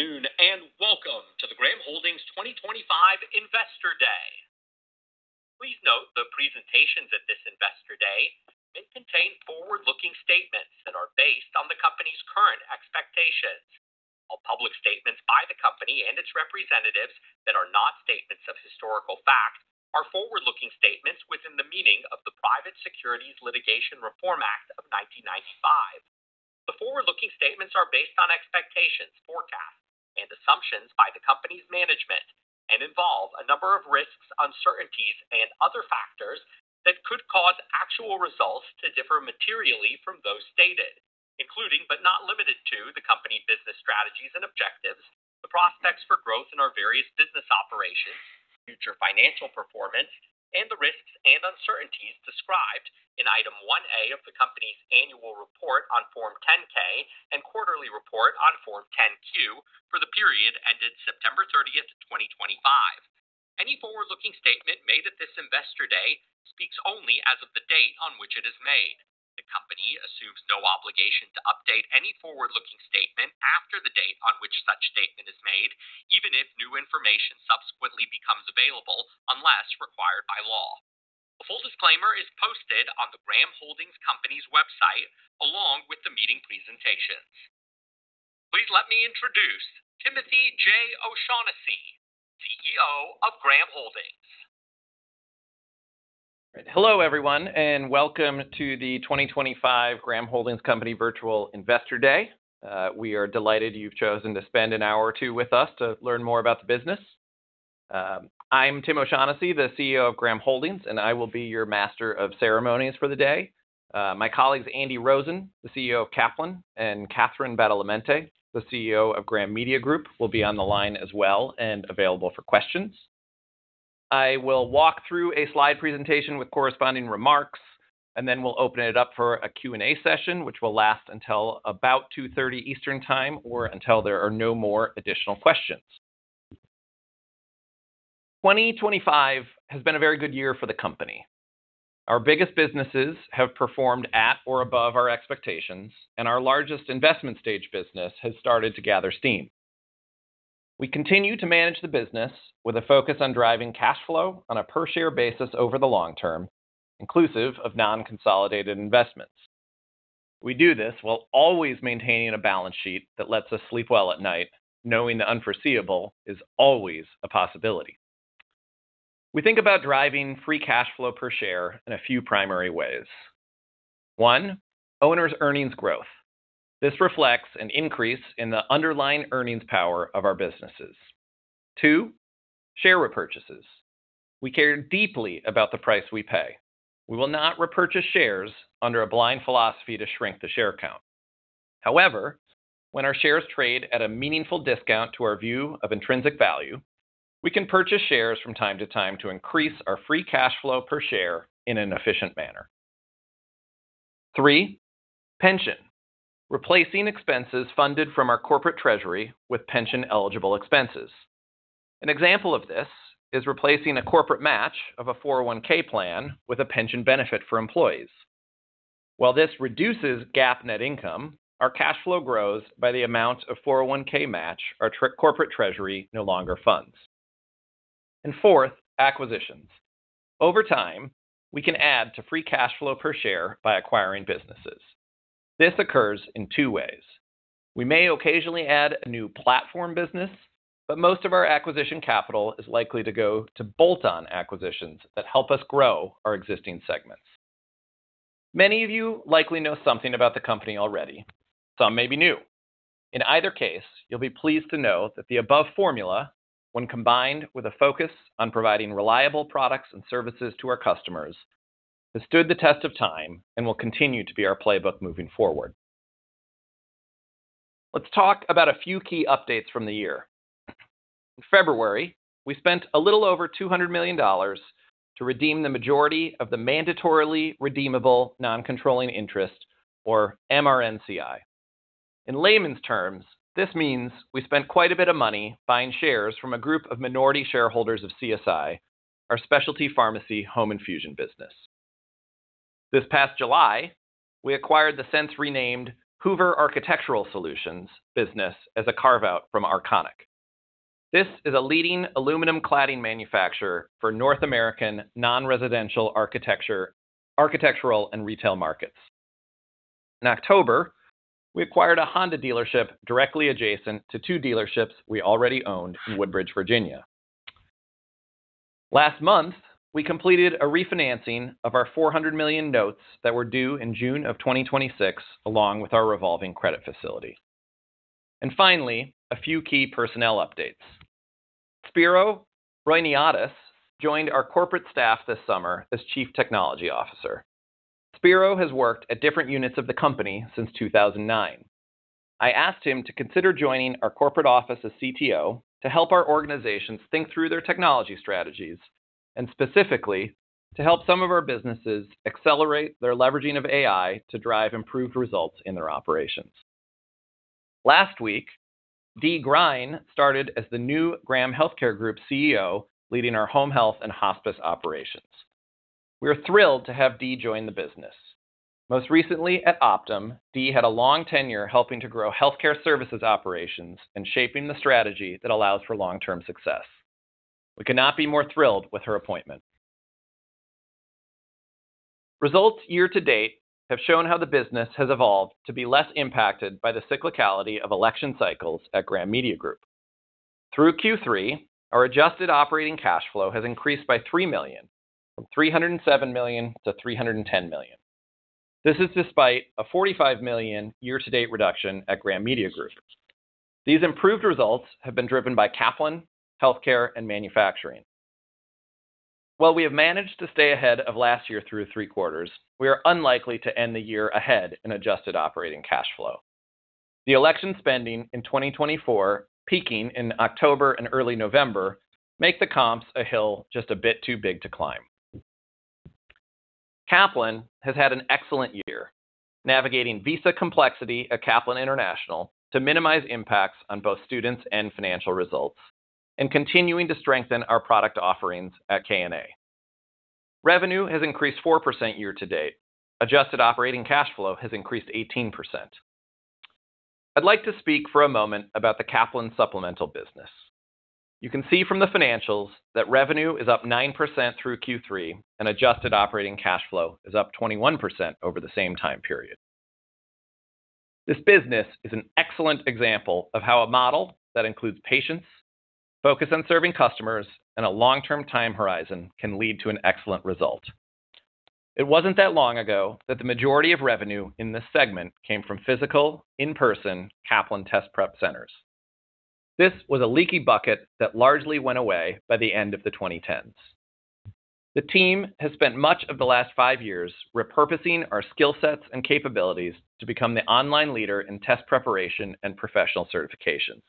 Good afternoon and welcome to the Graham Holdings 2025 Investor Day. Please note the presentations at this Investor Day may contain forward-looking statements that are based on the company's current expectations. All public statements by the company and its representatives that are not statements of historical fact are forward-looking statements within the meaning of the Private Securities Litigation Reform Act of 1995. The forward-looking statements are based on expectations, forecasts, and assumptions by the company's management and involve a number of risks, uncertainties, and other factors that could cause actual results to differ materially from those stated, including, but not limited to, the company's business strategies and objectives, the prospects for growth in our various business operations, future financial performance, and the risks and uncertainties described in Item 1A of the company's annual report on Form 10-K and quarterly report on Form 10-Q for the period ended September 30, 2025. Any forward-looking statement made at this Investor Day speaks only as of the date on which it is made. The company assumes no obligation to update any forward-looking statement after the date on which such statement is made, even if new information subsequently becomes available unless required by law. A full disclaimer is posted on the Graham Holdings Company's website along with the meeting presentations. Please let me introduce Timothy J. O'Shaughnessy, CEO of Graham Holdings. Hello, everyone, and welcome to the 2025 Graham Holdings Company Virtual Investor Day. We are delighted you've chosen to spend an hour or two with us to learn more about the business. I'm Tim O'Shaughnessy, the CEO of Graham Holdings, and I will be your Master of Ceremonies for the day. My colleagues, Andy Rosen, the CEO of Kaplan, and Catherine Badalamente, the CEO of Graham Media Group, will be on the line as well and available for questions. I will walk through a slide presentation with corresponding remarks, and then we'll open it up for a Q&A session, which will last until about 2:30 Eastern Time or until there are no more additional questions. 2025 has been a very good year for the company. Our biggest businesses have performed at or above our expectations, and our largest investment-stage business has started to gather steam. We continue to manage the business with a focus on driving cash flow on a per-share basis over the long term, inclusive of non-consolidated investments. We do this while always maintaining a balance sheet that lets us sleep well at night, knowing the unforeseeable is always a possibility. We think about driving free cash flow per share in a few primary ways. One, owners' earnings growth. This reflects an increase in the underlying earnings power of our businesses. Two, share repurchases. We care deeply about the price we pay. We will not repurchase shares under a blind philosophy to shrink the share count. However, when our shares trade at a meaningful discount to our view of intrinsic value, we can purchase shares from time to time to increase our free cash flow per share in an efficient manner. Three, pension. Replacing expenses funded from our corporate treasury with pension-eligible expenses. An example of this is replacing a corporate match of a 401(k) plan with a pension benefit for employees. While this reduces GAAP net income, our cash flow grows by the amount a 401(k) match our corporate treasury no longer funds. And fourth, acquisitions. Over time, we can add to free cash flow per share by acquiring businesses. This occurs in two ways. We may occasionally add a new platform business, but most of our acquisition capital is likely to go to bolt-on acquisitions that help us grow our existing segments. Many of you likely know something about the company already. Some may be new. In either case, you'll be pleased to know that the above formula, when combined with a focus on providing reliable products and services to our customers, has stood the test of time and will continue to be our playbook moving forward. Let's talk about a few key updates from the year. In February, we spent a little over $200 million to redeem the majority of the mandatorily redeemable non-controlling interest, or MRNCI. In layman's terms, this means we spent quite a bit of money buying shares from a group of minority shareholders of CSI, our specialty pharmacy home infusion business. This past July, we acquired the since-renamed Hoover Architectural Solutions business as a carve-out from Arconic. This is a leading aluminum cladding manufacturer for North American non-residential architecture and retail markets. In October, we acquired a Honda dealership directly adjacent to two dealerships we already owned in Woodbridge, Virginia. Last month, we completed a refinancing of our $400 million notes that were due in June of 2026, along with our revolving credit facility. Finally, a few key personnel updates. Spiro Roiniotis joined our corporate staff this summer as Chief Technology Officer. Spiro has worked at different units of the company since 2009. I asked him to consider joining our corporate office as CTO to help our organizations think through their technology strategies and specifically to help some of our businesses accelerate their leveraging of AI to drive improved results in their operations. Last week, Dee Grein started as the new Graham Healthcare Group CEO, leading our Home Health and Hospice operations. We are thrilled to have Dee join the business. Most recently at Optum, Dee had a long tenure helping to grow healthcare services operations and shaping the strategy that allows for long-term success. We could not be more thrilled with her appointment. Results year-to-date have shown how the business has evolved to be less impacted by the cyclicality of election cycles at Graham Media Group. Through Q3, our adjusted operating cash flow has increased by $3 million, from $307 million to $310 million. This is despite a $45 million year-to-date reduction at Graham Media Group. These improved results have been driven by Kaplan, Healthcare, and Manufacturing. While we have managed to stay ahead of last year through three quarters, we are unlikely to end the year ahead in adjusted operating cash flow. The election spending in 2024, peaking in October and early November, makes the comps a hill just a bit too big to climb. Kaplan has had an excellent year, navigating visa complexity at Kaplan International to minimize impacts on both students and financial results, and continuing to strengthen our product offerings at KNA. Revenue has increased 4% year to date. Adjusted operating cash flow has increased 18%. I'd like to speak for a moment about the Kaplan Supplemental business. You can see from the financials that revenue is up 9% through Q3, and adjusted operating cash flow is up 21% over the same time period. This business is an excellent example of how a model that includes patience, focus on serving customers, and a long-term time horizon can lead to an excellent result. It wasn't that long ago that the majority of revenue in this segment came from physical, in-person Kaplan Test Prep Centers. This was a leaky bucket that largely went away by the end of the 2010s. The team has spent much of the last five years repurposing our skill sets and capabilities to become the online leader in test preparation and professional certifications.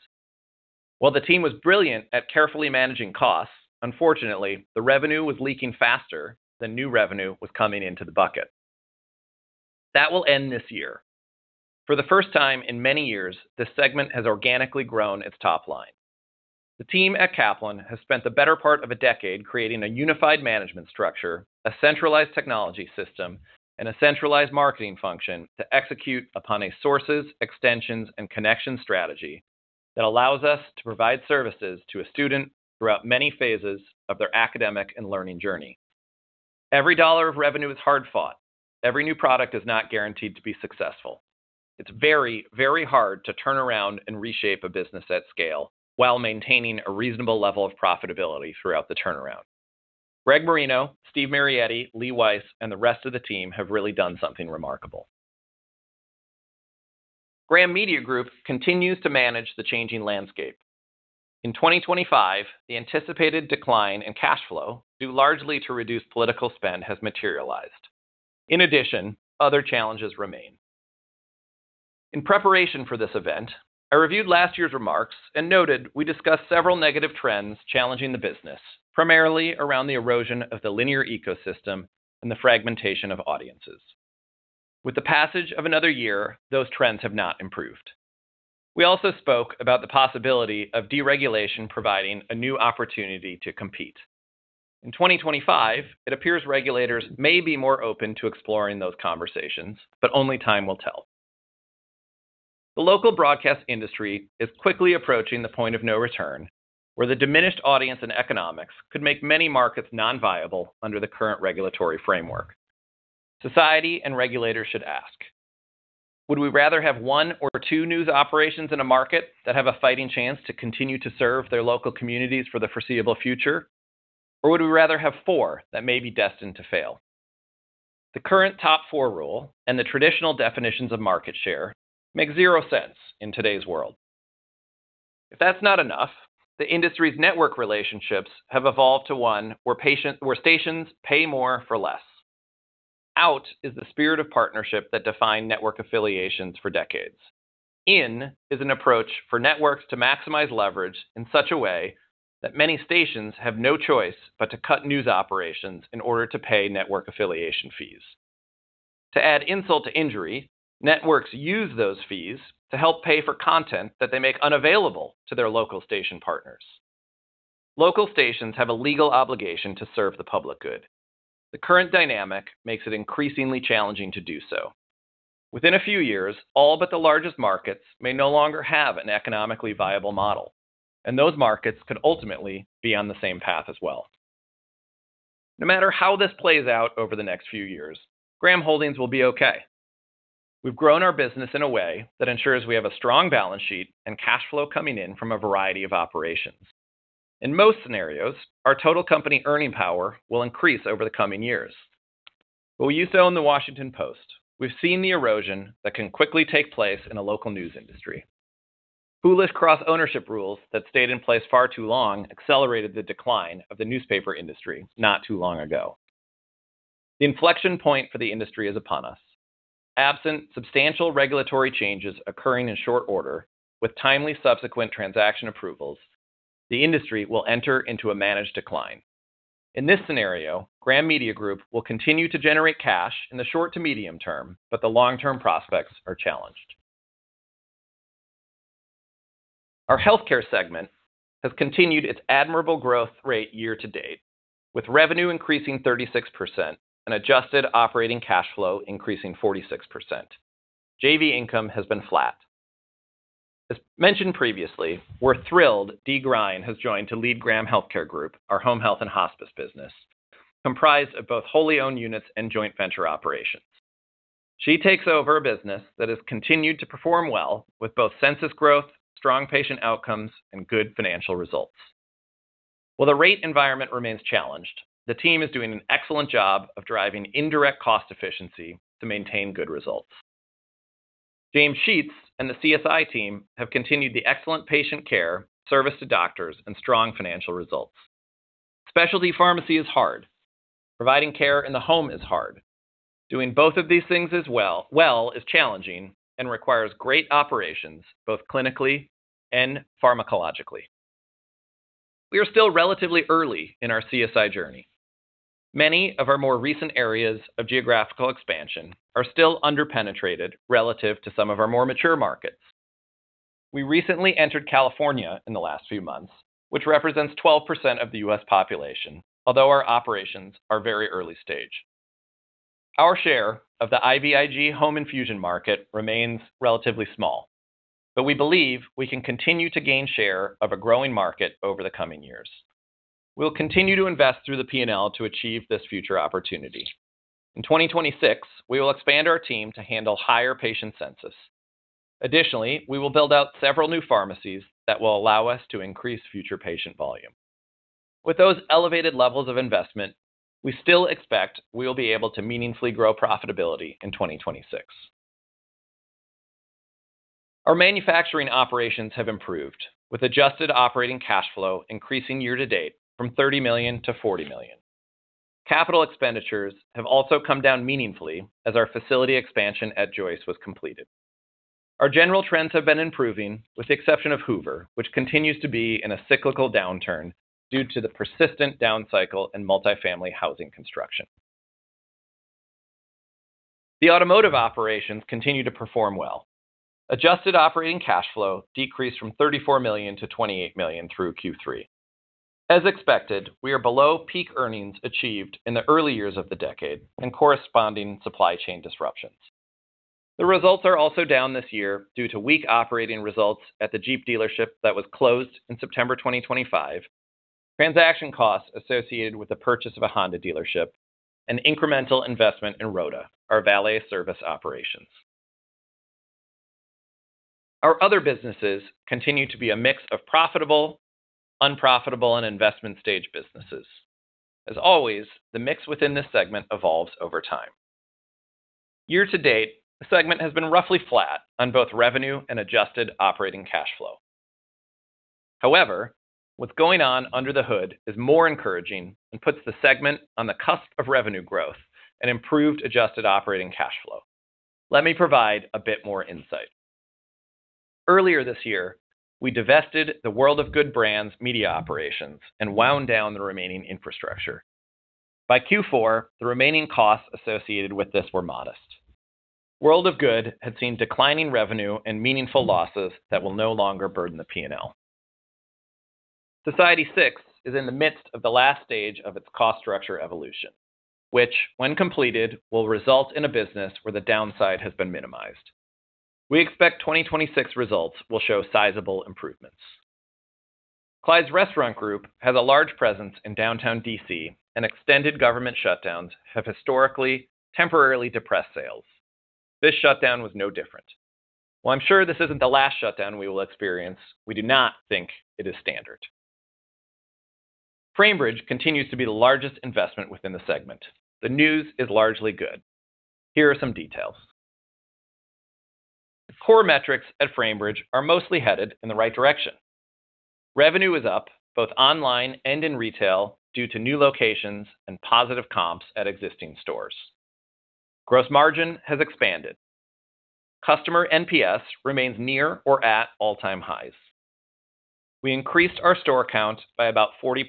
While the team was brilliant at carefully managing costs, unfortunately, the revenue was leaking faster than new revenue was coming into the bucket. That will end this year. For the first time in many years, this segment has organically grown its top line. The team at Kaplan has spent the better part of a decade creating a unified management structure, a centralized technology system, and a centralized marketing function to execute upon a sources, extensions, and connection strategy that allows us to provide services to a student throughout many phases of their academic and learning journey. Every dollar of revenue is hard-fought. Every new product is not guaranteed to be successful. It's very, very hard to turn around and reshape a business at scale while maintaining a reasonable level of profitability throughout the turnaround. Greg Marino, Steve Marietti, Lee Weiss, and the rest of the team have really done something remarkable. Graham Media Group continues to manage the changing landscape. In 2025, the anticipated decline in cash flow due largely to reduced political spend has materialized. In addition, other challenges remain. In preparation for this event, I reviewed last year's remarks and noted we discussed several negative trends challenging the business, primarily around the erosion of the linear ecosystem and the fragmentation of audiences. With the passage of another year, those trends have not improved. We also spoke about the possibility of deregulation providing a new opportunity to compete. In 2025, it appears regulators may be more open to exploring those conversations, but only time will tell. The local broadcast industry is quickly approaching the point of no return, where the diminished audience and economics could make many markets non-viable under the current regulatory framework. Society and regulators should ask, would we rather have one or two news operations in a market that have a fighting chance to continue to serve their local communities for the foreseeable future? Or would we rather have four that may be destined to fail? The current top four rule and the traditional definitions of market share make zero sense in today's world. If that's not enough, the industry's network relationships have evolved to one where stations pay more for less. Out is the spirit of partnership that defined network affiliations for decades. In is an approach for networks to maximize leverage in such a way that many stations have no choice but to cut news operations in order to pay network affiliation fees. To add insult to injury, networks use those fees to help pay for content that they make unavailable to their local station partners. Local stations have a legal obligation to serve the public good. The current dynamic makes it increasingly challenging to do so. Within a few years, all but the largest markets may no longer have an economically viable model, and those markets could ultimately be on the same path as well. No matter how this plays out over the next few years, Graham Holdings will be okay. We've grown our business in a way that ensures we have a strong balance sheet and cash flow coming in from a variety of operations. In most scenarios, our total company earning power will increase over the coming years. While we used to own The Washington Post, we've seen the erosion that can quickly take place in a local news industry. Foolish cross-ownership rules that stayed in place far too long accelerated the decline of the newspaper industry not too long ago. The inflection point for the industry is upon us. Absent substantial regulatory changes occurring in short order with timely subsequent transaction approvals, the industry will enter into a managed decline. In this scenario, Graham Media Group will continue to generate cash in the short to medium term, but the long-term prospects are challenged. Our healthcare segment has continued its admirable growth rate year to date, with revenue increasing 36% and adjusted operating cash flow increasing 46%. JV income has been flat. As mentioned previously, we're thrilled Dee Grein has joined to lead Graham Healthcare Group, our home health and hospice business, comprised of both wholly owned units and joint venture operations. She takes over a business that has continued to perform well with both census growth, strong patient outcomes, and good financial results. While the rate environment remains challenged, the team is doing an excellent job of driving indirect cost efficiency to maintain good results. James Sheets and the CSI team have continued the excellent patient care, service to doctors, and strong financial results. Specialty pharmacy is hard. Providing care in the home is hard. Doing both of these things well is challenging and requires great operations both clinically and pharmacologically. We are still relatively early in our CSI journey. Many of our more recent areas of geographical expansion are still underpenetrated relative to some of our more mature markets. We recently entered California in the last few months, which represents 12% of the U.S. population, although our operations are very early stage. Our share of the IVIG home infusion market remains relatively small, but we believe we can continue to gain share of a growing market over the coming years. We'll continue to invest through the P&L to achieve this future opportunity. In 2026, we will expand our team to handle higher patient census. Additionally, we will build out several new pharmacies that will allow us to increase future patient volume. With those elevated levels of investment, we still expect we will be able to meaningfully grow profitability in 2026. Our manufacturing operations have improved, with adjusted operating cash flow increasing year to date from $30 million-$40 million. Capital expenditures have also come down meaningfully as our facility expansion at Joyce was completed. Our general trends have been improving with the exception of Hoover, which continues to be in a cyclical downturn due to the persistent down cycle in multifamily housing construction. The automotive operations continue to perform well. Adjusted operating cash flow decreased from $34 million to $28 million through Q3. As expected, we are below peak earnings achieved in the early years of the decade and corresponding supply chain disruptions. The results are also down this year due to weak operating results at the Jeep dealership that was closed in September 2025, transaction costs associated with the purchase of a Honda dealership, and incremental investment in Roda, our valet service operations. Our other businesses continue to be a mix of profitable, unprofitable, and investment stage businesses. As always, the mix within this segment evolves over time. Year to date, the segment has been roughly flat on both revenue and adjusted operating cash flow. However, what's going on under the hood is more encouraging and puts the segment on the cusp of revenue growth and improved adjusted operating cash flow. Let me provide a bit more insight. Earlier this year, we divested the World of Good Brands media operations and wound down the remaining infrastructure. By Q4, the remaining costs associated with this were modest. World of Good had seen declining revenue and meaningful losses that will no longer burden the P&L. Society6 is in the midst of the last stage of its cost structure evolution, which, when completed, will result in a business where the downside has been minimized. We expect 2026 results will show sizable improvements. Clyde's Restaurant Group has a large presence in downtown D.C., and extended government shutdowns have historically temporarily depressed sales. This shutdown was no different. While I'm sure this isn't the last shutdown we will experience, we do not think it is standard. Framebridge continues to be the largest investment within the segment. The news is largely good. Here are some details. The core metrics at Framebridge are mostly headed in the right direction. Revenue is up both online and in retail due to new locations and positive comps at existing stores. Gross margin has expanded. Customer NPS remains near or at all-time highs. We increased our store count by about 40%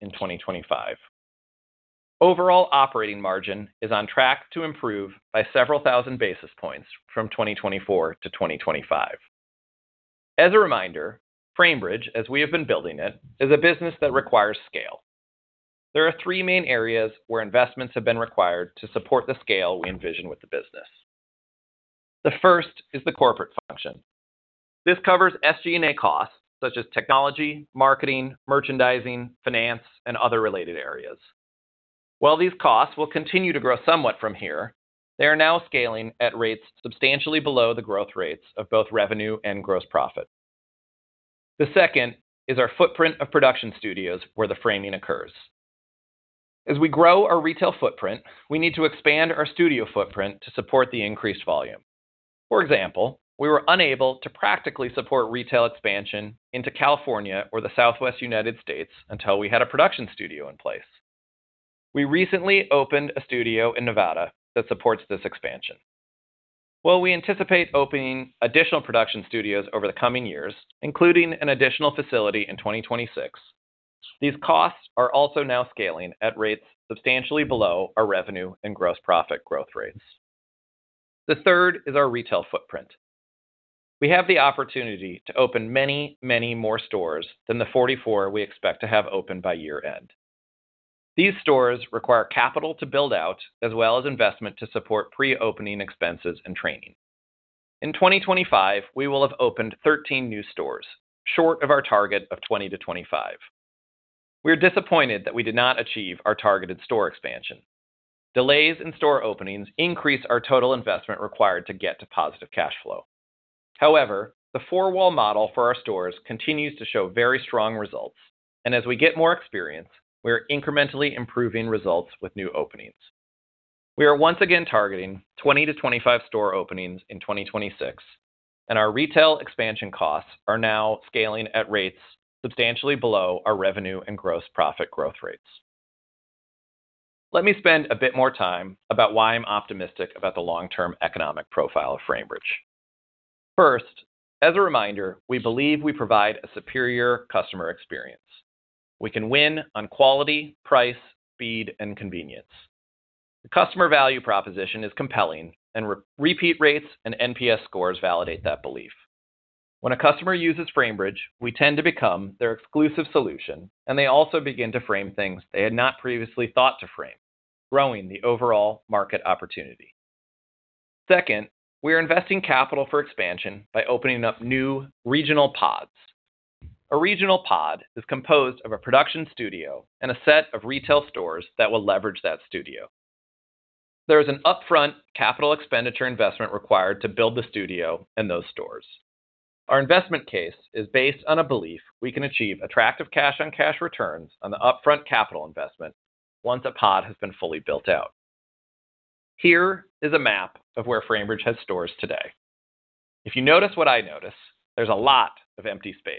in 2025. Overall operating margin is on track to improve by several thousand basis points from 2024 to 2025. As a reminder, Framebridge, as we have been building it, is a business that requires scale. There are three main areas where investments have been required to support the scale we envision with the business. The first is the corporate function. This covers SG&A costs such as technology, marketing, merchandising, finance, and other related areas. While these costs will continue to grow somewhat from here, they are now scaling at rates substantially below the growth rates of both revenue and gross profit. The second is our footprint of production studios where the framing occurs. As we grow our retail footprint, we need to expand our studio footprint to support the increased volume. For example, we were unable to practically support retail expansion into California or the southwest United States until we had a production studio in place. We recently opened a studio in Nevada that supports this expansion. While we anticipate opening additional production studios over the coming years, including an additional facility in 2026, these costs are also now scaling at rates substantially below our revenue and gross profit growth rates. The third is our retail footprint. We have the opportunity to open many, many more stores than the 44 we expect to have open by year-end. These stores require capital to build out as well as investment to support pre-opening expenses and training. In 2025, we will have opened 13 new stores, short of our target of 20-25. We are disappointed that we did not achieve our targeted store expansion. Delays in store openings increase our total investment required to get to positive cash flow. However, the 4-wall model for our stores continues to show very strong results, and as we get more experience, we are incrementally improving results with new openings. We are once again targeting 20-25 store openings in 2026, and our retail expansion costs are now scaling at rates substantially below our revenue and gross profit growth rates. Let me spend a bit more time about why I'm optimistic about the long-term economic profile of Framebridge. First, as a reminder, we believe we provide a superior customer experience. We can win on quality, price, speed, and convenience. The customer value proposition is compelling, and repeat rates and NPS scores validate that belief. When a customer uses Framebridge, we tend to become their exclusive solution, and they also begin to frame things they had not previously thought to frame, growing the overall market opportunity. Second, we are investing capital for expansion by opening up new regional pods. A regional pod is composed of a production studio and a set of retail stores that will leverage that studio. There is an upfront capital expenditure investment required to build the studio and those stores. Our investment case is based on a belief we can achieve attractive cash on cash returns on the upfront capital investment once a pod has been fully built out. Here is a map of where Framebridge has stores today. If you notice what I notice, there's a lot of empty space.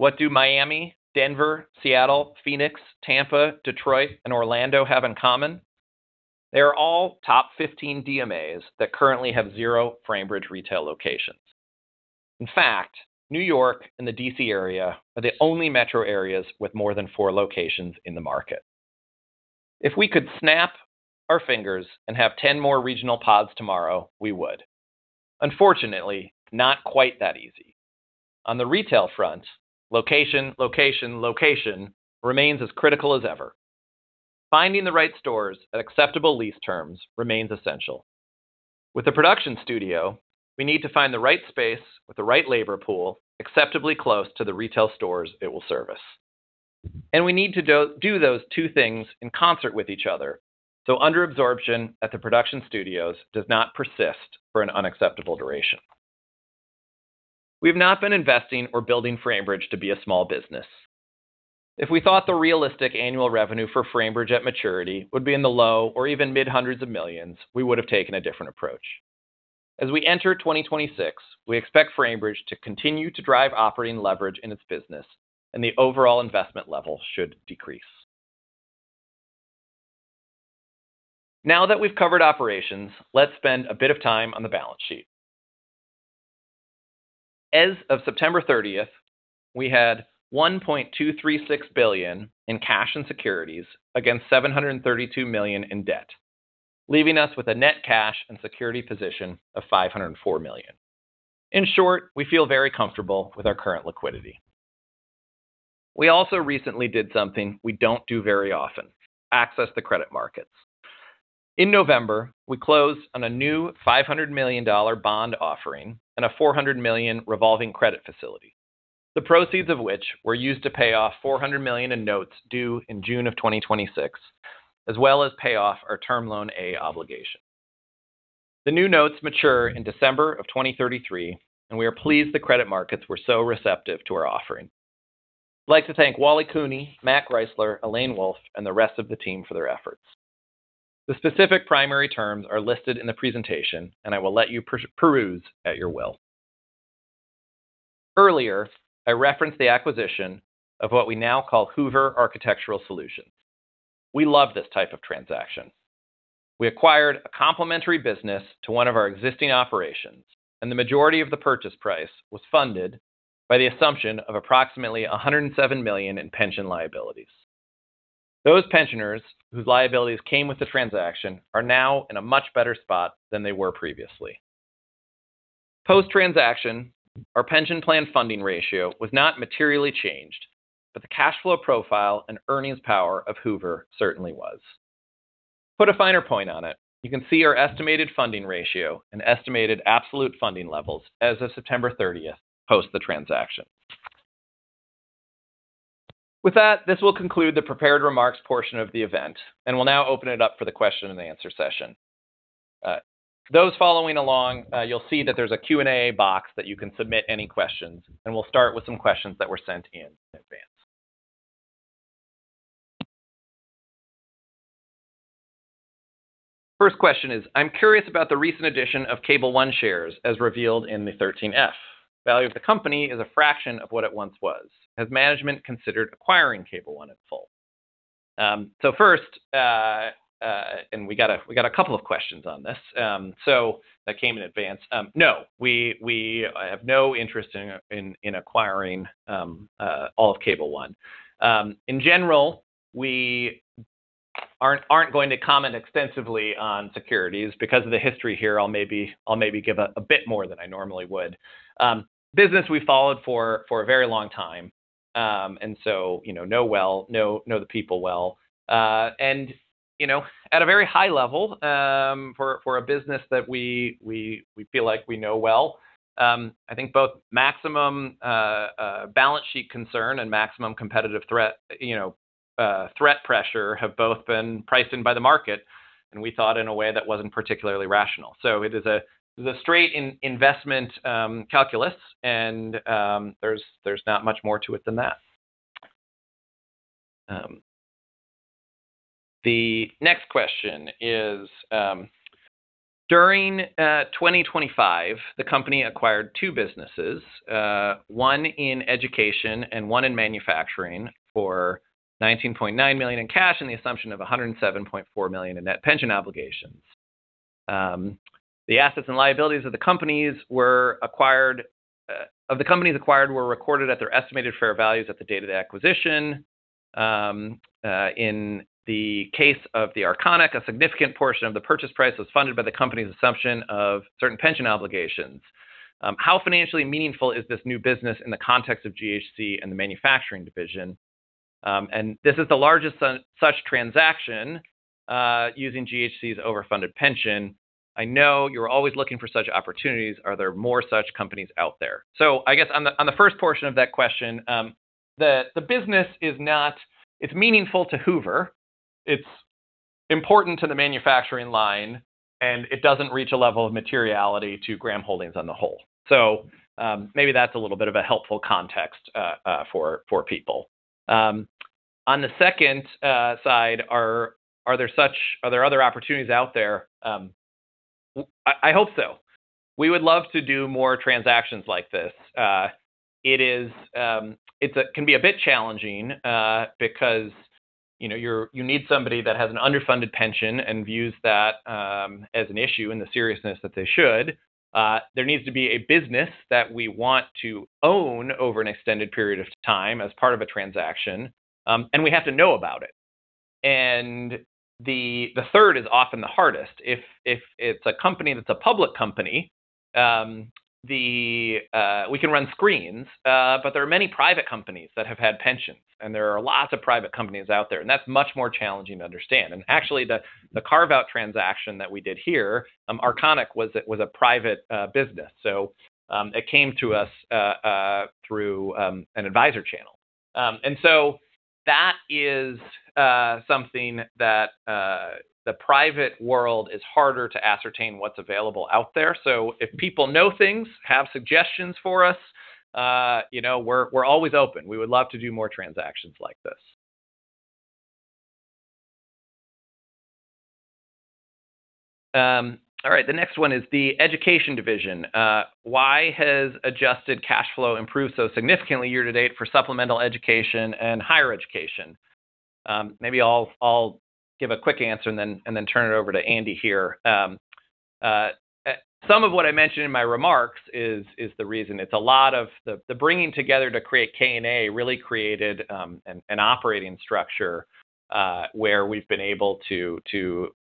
What do Miami, Denver, Seattle, Phoenix, Tampa, Detroit, and Orlando have in common? They are all top 15 DMAs that currently have zero Framebridge retail locations. In fact, New York and the D.C. area are the only metro areas with more than four locations in the market. If we could snap our fingers and have 10 more regional pods tomorrow, we would. Unfortunately, not quite that easy. On the retail front, location, location, location remains as critical as ever. Finding the right stores at acceptable lease terms remains essential. With the production studio, we need to find the right space with the right labor pool acceptably close to the retail stores it will service, and we need to do those two things in concert with each other so underabsorption at the production studios does not persist for an unacceptable duration. We have not been investing or building Framebridge to be a small business. If we thought the realistic annual revenue for Framebridge at maturity would be in the low or even mid-hundreds of millions, we would have taken a different approach. As we enter 2026, we expect Framebridge to continue to drive operating leverage in its business, and the overall investment level should decrease. Now that we've covered operations, let's spend a bit of time on the balance sheet. As of September 30th, we had $1.236 billion in cash and securities against $732 million in debt, leaving us with a net cash and securities position of $504 million. In short, we feel very comfortable with our current liquidity. We also recently did something we don't do very often: access the credit markets. In November, we closed on a new $500 million bond offering and a $400 million revolving credit facility, the proceeds of which were used to pay off $400 million in notes due in June of 2026, as well as pay off our Term Loan A obligation. The new notes mature in December of 2033, and we are pleased the credit markets were so receptive to our offering. I'd like to thank Wally Cooney, Matt Greisler, Elaine Wolff, and the rest of the team for their efforts. The specific primary terms are listed in the presentation, and I will let you peruse at your will. Earlier, I referenced the acquisition of what we now call Hoover Architectural Solutions. We love this type of transaction. We acquired a complementary business to one of our existing operations, and the majority of the purchase price was funded by the assumption of approximately $107 million in pension liabilities. Those pensioners whose liabilities came with the transaction are now in a much better spot than they were previously. Post-transaction, our pension plan funding ratio was not materially changed, but the cash flow profile and earnings power of Hoover certainly was. To put a finer point on it, you can see our estimated funding ratio and estimated absolute funding levels as of September 30th post the transaction. With that, this will conclude the prepared remarks portion of the event, and we'll now open it up for the question and answer session. Those following along, you'll see that there's a Q&A box that you can submit any questions, and we'll start with some questions that were sent in in advance. First question is, "I'm curious about the recent addition of Cable ONE shares as revealed in the 13F. Value of the company is a fraction of what it once was. Has management considered acquiring Cable ONE at full?" So first, and we got a couple of questions on this, so that came in advance. No, we have no interest in acquiring all of Cable ONE. In general, we aren't going to comment extensively on securities because of the history here. I'll maybe give a bit more than I normally would. Business we followed for a very long time, and so know well, know the people well. And at a very high level, for a business that we feel like we know well, I think both maximum balance sheet concern and maximum competitive threat pressure have both been priced in by the market, and we thought in a way that wasn't particularly rational. So it is a straight investment calculus, and there's not much more to it than that. The next question is, "During 2025, the company acquired two businesses, one in education and one in manufacturing for $19.9 million in cash and the assumption of $107.4 million in net pension obligations. The assets and liabilities of the companies acquired were recorded at their estimated fair values at the date of the acquisition. In the case of the Arconic, a significant portion of the purchase price was funded by the company's assumption of certain pension obligations. How financially meaningful is this new business in the context of GHC and the manufacturing division? And this is the largest such transaction using GHC's overfunded pension. I know you're always looking for such opportunities. Are there more such companies out there? So I guess on the first portion of that question, the business is not, it's meaningful to Hoover. It's important to the manufacturing line, and it doesn't reach a level of materiality to Graham Holdings on the whole. So maybe that's a little bit of a helpful context for people. On the second side, are there other opportunities out there? I hope so. We would love to do more transactions like this. It can be a bit challenging because you need somebody that has an underfunded pension and views that as an issue in the seriousness that they should. There needs to be a business that we want to own over an extended period of time as part of a transaction, and we have to know about it, and the third is often the hardest. If it's a company that's a public company, we can run screens, but there are many private companies that have had pensions, and there are lots of private companies out there, and that's much more challenging to understand, and actually, the carve-out transaction that we did here, Arconic was a private business, so it came to us through an advisor channel, and so that is something that the private world is harder to ascertain what's available out there. So if people know things, have suggestions for us, we're always open. We would love to do more transactions like this. All right, the next one is the education division. Why has adjusted cash flow improved so significantly year to date for supplemental education and higher education? Maybe I'll give a quick answer and then turn it over to Andy here. Some of what I mentioned in my remarks is the reason. It's a lot of the bringing together to create KNA really created an operating structure where we've been able to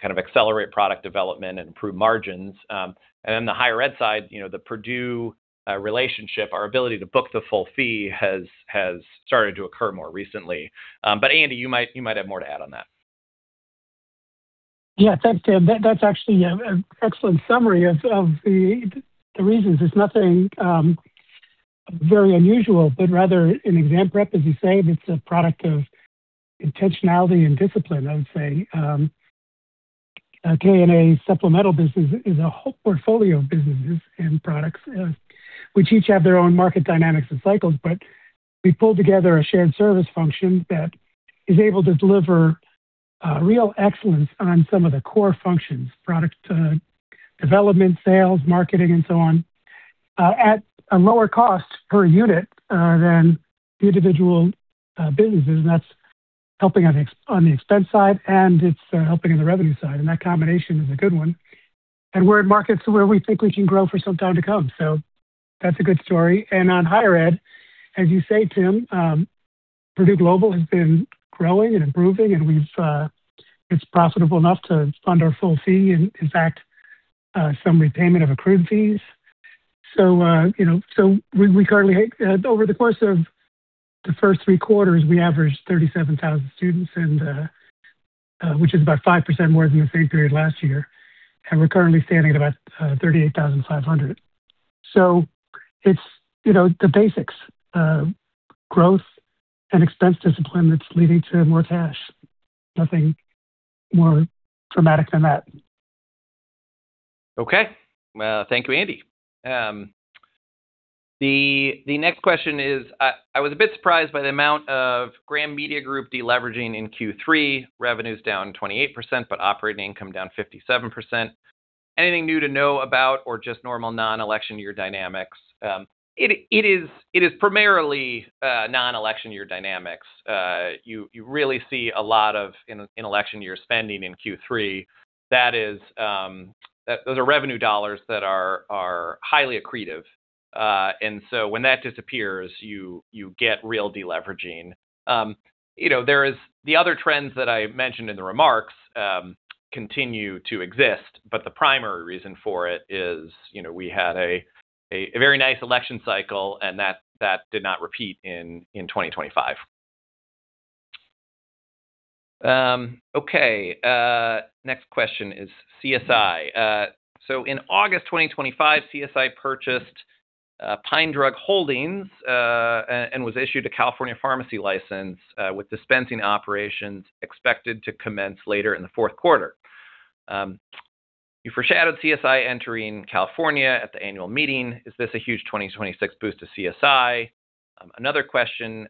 kind of accelerate product development and improve margins. And then the higher ed side, the Purdue relationship, our ability to book the full fee has started to occur more recently. But Andy, you might have more to add on that. Yeah, thanks, Tim. That's actually an excellent summary of the reasons. It's nothing very unusual, but rather an example, as you say, that's a product of intentionality and discipline, I would say. KNA supplemental business is a portfolio of businesses and products, which each have their own market dynamics and cycles, but we pulled together a shared service function that is able to deliver real excellence on some of the core functions: product development, sales, marketing, and so on, at a lower cost per unit than the individual businesses. And that's helping on the expense side, and it's helping on the revenue side. And that combination is a good one. And we're in markets where we think we can grow for some time to come. So that's a good story. On higher ed, as you say, Tim, Purdue Global has been growing and improving, and it's profitable enough to fund our full fee and, in fact, some repayment of accrued fees. So we currently, over the course of the first three quarters, we averaged 37,000 students, which is about 5% more than the same period last year. And we're currently standing at about 38,500. So it's the basics: growth and expense discipline that's leading to more cash. Nothing more dramatic than that. Okay. Thank you, Andy. The next question is, "I was a bit surprised by the amount of Graham Media Group deleveraging in Q3, revenues down 28%, but operating income down 57%. Anything new to know about or just normal non-election year dynamics?" It is primarily non-election year dynamics. You really see a lot of in election year spending in Q3, that is, those are revenue dollars that are highly accretive. And so when that disappears, you get real deleveraging. The other trends that I mentioned in the remarks continue to exist, but the primary reason for it is we had a very nice election cycle, and that did not repeat in 2025. Okay. Next question is CSI. "So in August 2025, CSI purchased Pine Drug Holdings and was issued a California pharmacy license with dispensing operations expected to commence later in the fourth quarter. You foreshadowed CSI entering California at the annual meeting. Is this a huge 2026 boost to CSI?" Another question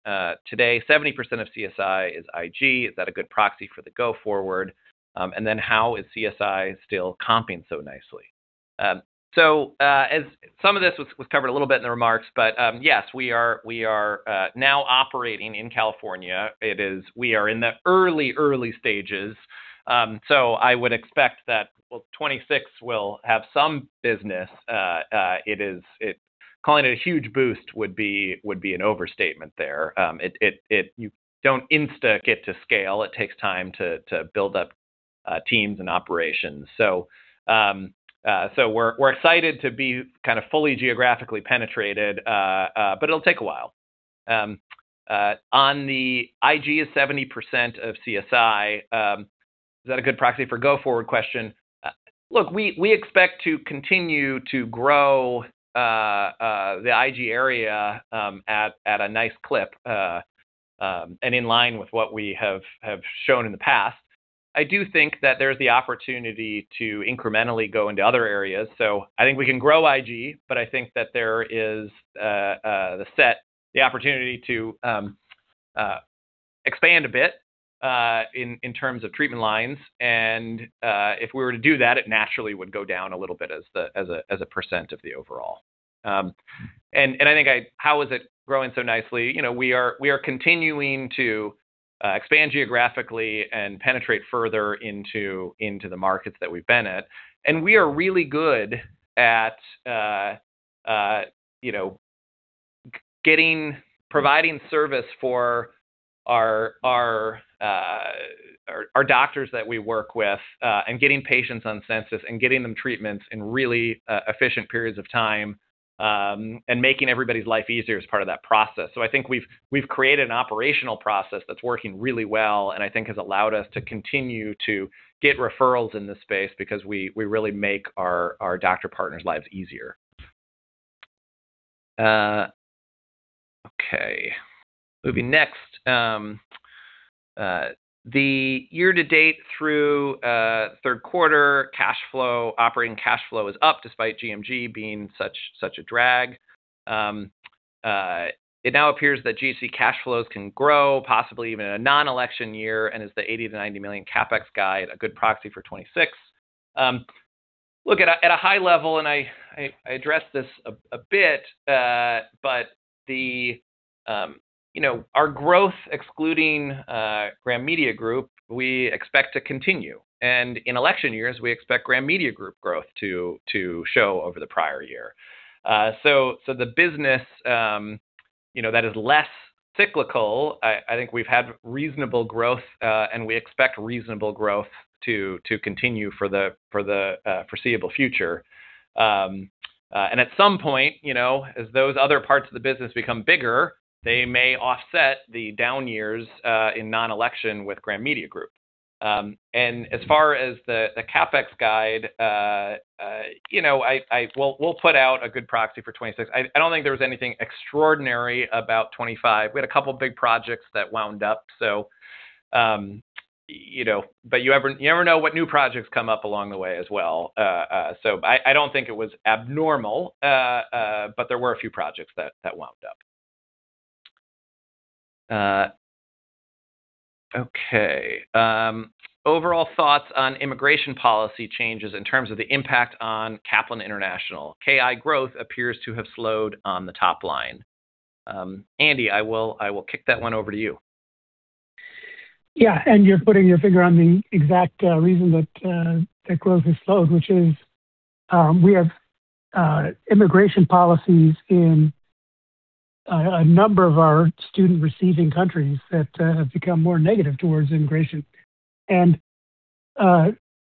today, "70% of CSI is IG. Is that a good proxy for the go-forward? And then how is CSI still comping so nicely?" Some of this was covered a little bit in the remarks, but yes, we are now operating in California. We are in the early, early stages. I would expect that 2026 will have some business. Calling it a huge boost would be an overstatement there. You don't instantly get to scale. It takes time to build up teams and operations. We're excited to be kind of fully geographically penetrated, but it'll take a while. On the IG is 70% of CSI. Is that a good proxy for go-forward question? Look, we expect to continue to grow the IG area at a nice clip and in line with what we have shown in the past. I do think that there's the opportunity to incrementally go into other areas. I think we can grow IG, but I think that there is the opportunity to expand a bit in terms of treatment lines. If we were to do that, it naturally would go down a little bit as a percent of the overall. I think, how is it growing so nicely? We are continuing to expand geographically and penetrate further into the markets that we've been at. We are really good at providing service for our doctors that we work with and getting patients on census and getting them treatments in really efficient periods of time and making everybody's life easier as part of that process. I think we've created an operational process that's working really well and I think has allowed us to continue to get referrals in this space because we really make our doctor partners' lives easier. Okay. Moving next. The year to date through third quarter, operating cash flow is up despite GMG being such a drag. It now appears that GHC cash flows can grow, possibly even in a non-election year, and is the $80-$90 million CapEx guide a good proxy for 2026." Look, at a high level, and I addressed this a bit, but our growth excluding Graham Media Group, we expect to continue. And in election years, we expect Graham Media Group growth to show over the prior year. So the business that is less cyclical, I think we've had reasonable growth, and we expect reasonable growth to continue for the foreseeable future. And at some point, as those other parts of the business become bigger, they may offset the down years in non-election with Graham Media Group. And as far as the CapEx guide, we'll put out a good proxy for 2026. I don't think there was anything extraordinary about 25. We had a couple of big projects that wound up, but you never know what new projects come up along the way as well. So I don't think it was abnormal, but there were a few projects that wound up. Okay. "Overall thoughts on immigration policy changes in terms of the impact on Kaplan International. KI growth appears to have slowed on the top line." Andy, I will kick that one over to you. Yeah. And you're putting your finger on the exact reason that growth has slowed, which is we have immigration policies in a number of our student-receiving countries that have become more negative towards immigration. And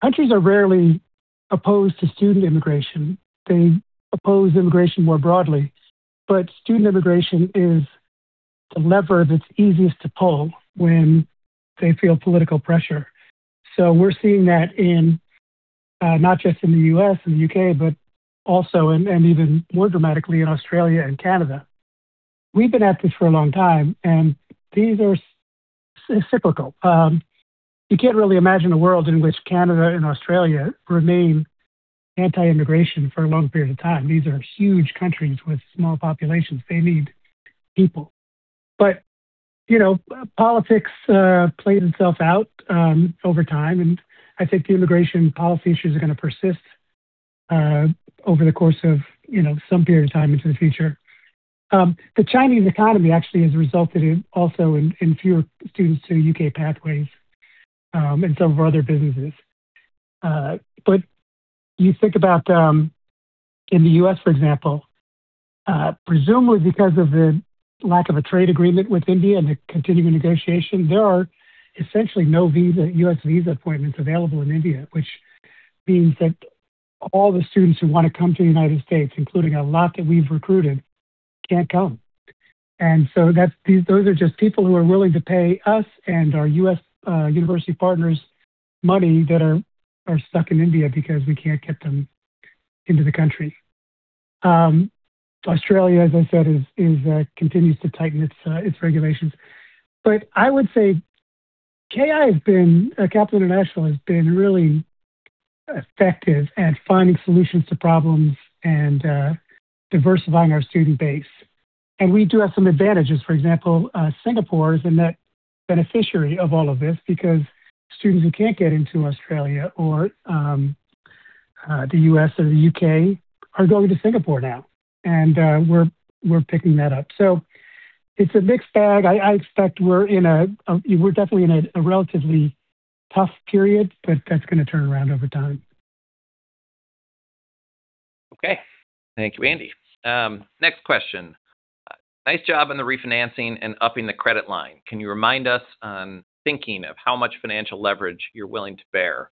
countries are rarely opposed to student immigration. They oppose immigration more broadly. But student immigration is the lever that's easiest to pull when they feel political pressure. So we're seeing that not just in the U.S. and the U.K., but also and even more dramatically in Australia and Canada. We've been at this for a long time, and these are cyclical. You can't really imagine a world in which Canada and Australia remain anti-immigration for a long period of time. These are huge countries with small populations. They need people. But politics plays itself out over time, and I think the immigration policy issues are going to persist over the course of some period of time into the future. The Chinese economy actually has resulted also in fewer students to U.K. pathways and some of our other businesses. But you think about in the U.S., for example, presumably because of the lack of a trade agreement with India and the continuing negotiation, there are essentially no U.S. visa appointments available in India, which means that all the students who want to come to the United States, including a lot that we've recruited, can't come. And so those are just people who are willing to pay us and our U.S. university partners money that are stuck in India because we can't get them into the country. Australia, as I said, continues to tighten its regulations. But I would say KI, Kaplan International, has been really effective at finding solutions to problems and diversifying our student base. And we do have some advantages. For example, Singapore is a net beneficiary of all of this because students who can't get into Australia or the U.S. or the U.K. are going to Singapore now, and we're picking that up. So it's a mixed bag. I expect we're definitely in a relatively tough period, but that's going to turn around over time. Okay. Thank you, Andy. Next question. "Nice job on the refinancing and upping the credit line. Can you remind us on thinking of how much financial leverage you're willing to bear?"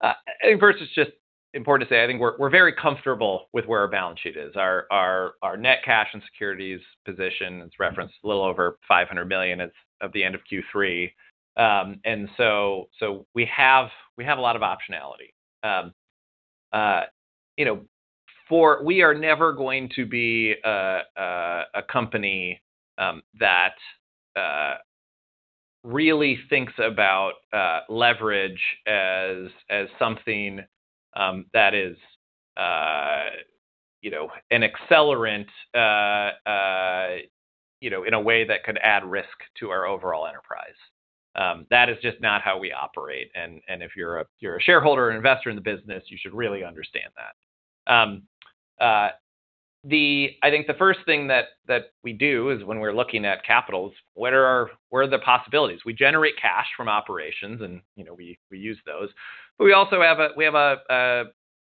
I think first, it's just important to say I think we're very comfortable with where our balance sheet is. Our net cash and securities position is referenced a little over $500 million at the end of Q3. And so we have a lot of optionality. We are never going to be a company that really thinks about leverage as something that is an accelerant in a way that could add risk to our overall enterprise. That is just not how we operate, and if you're a shareholder or investor in the business, you should really understand that. I think the first thing that we do is, when we're looking at capital, what are the possibilities? We generate cash from operations, and we use those. But we also have a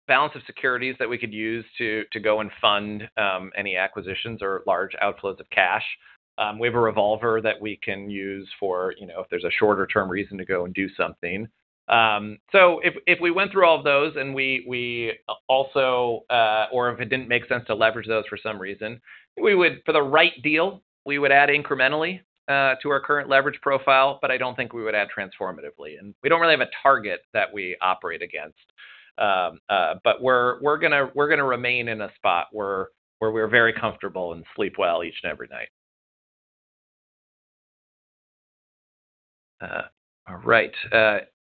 balance of securities that we could use to go and fund any acquisitions or large outflows of cash. We have a revolver that we can use for if there's a shorter-term reason to go and do something. So if we went through all of those and we also or if it didn't make sense to leverage those for some reason, for the right deal, we would add incrementally to our current leverage profile, but I don't think we would add transformatively. And we don't really have a target that we operate against, but we're going to remain in a spot where we're very comfortable and sleep well each and every night. All right.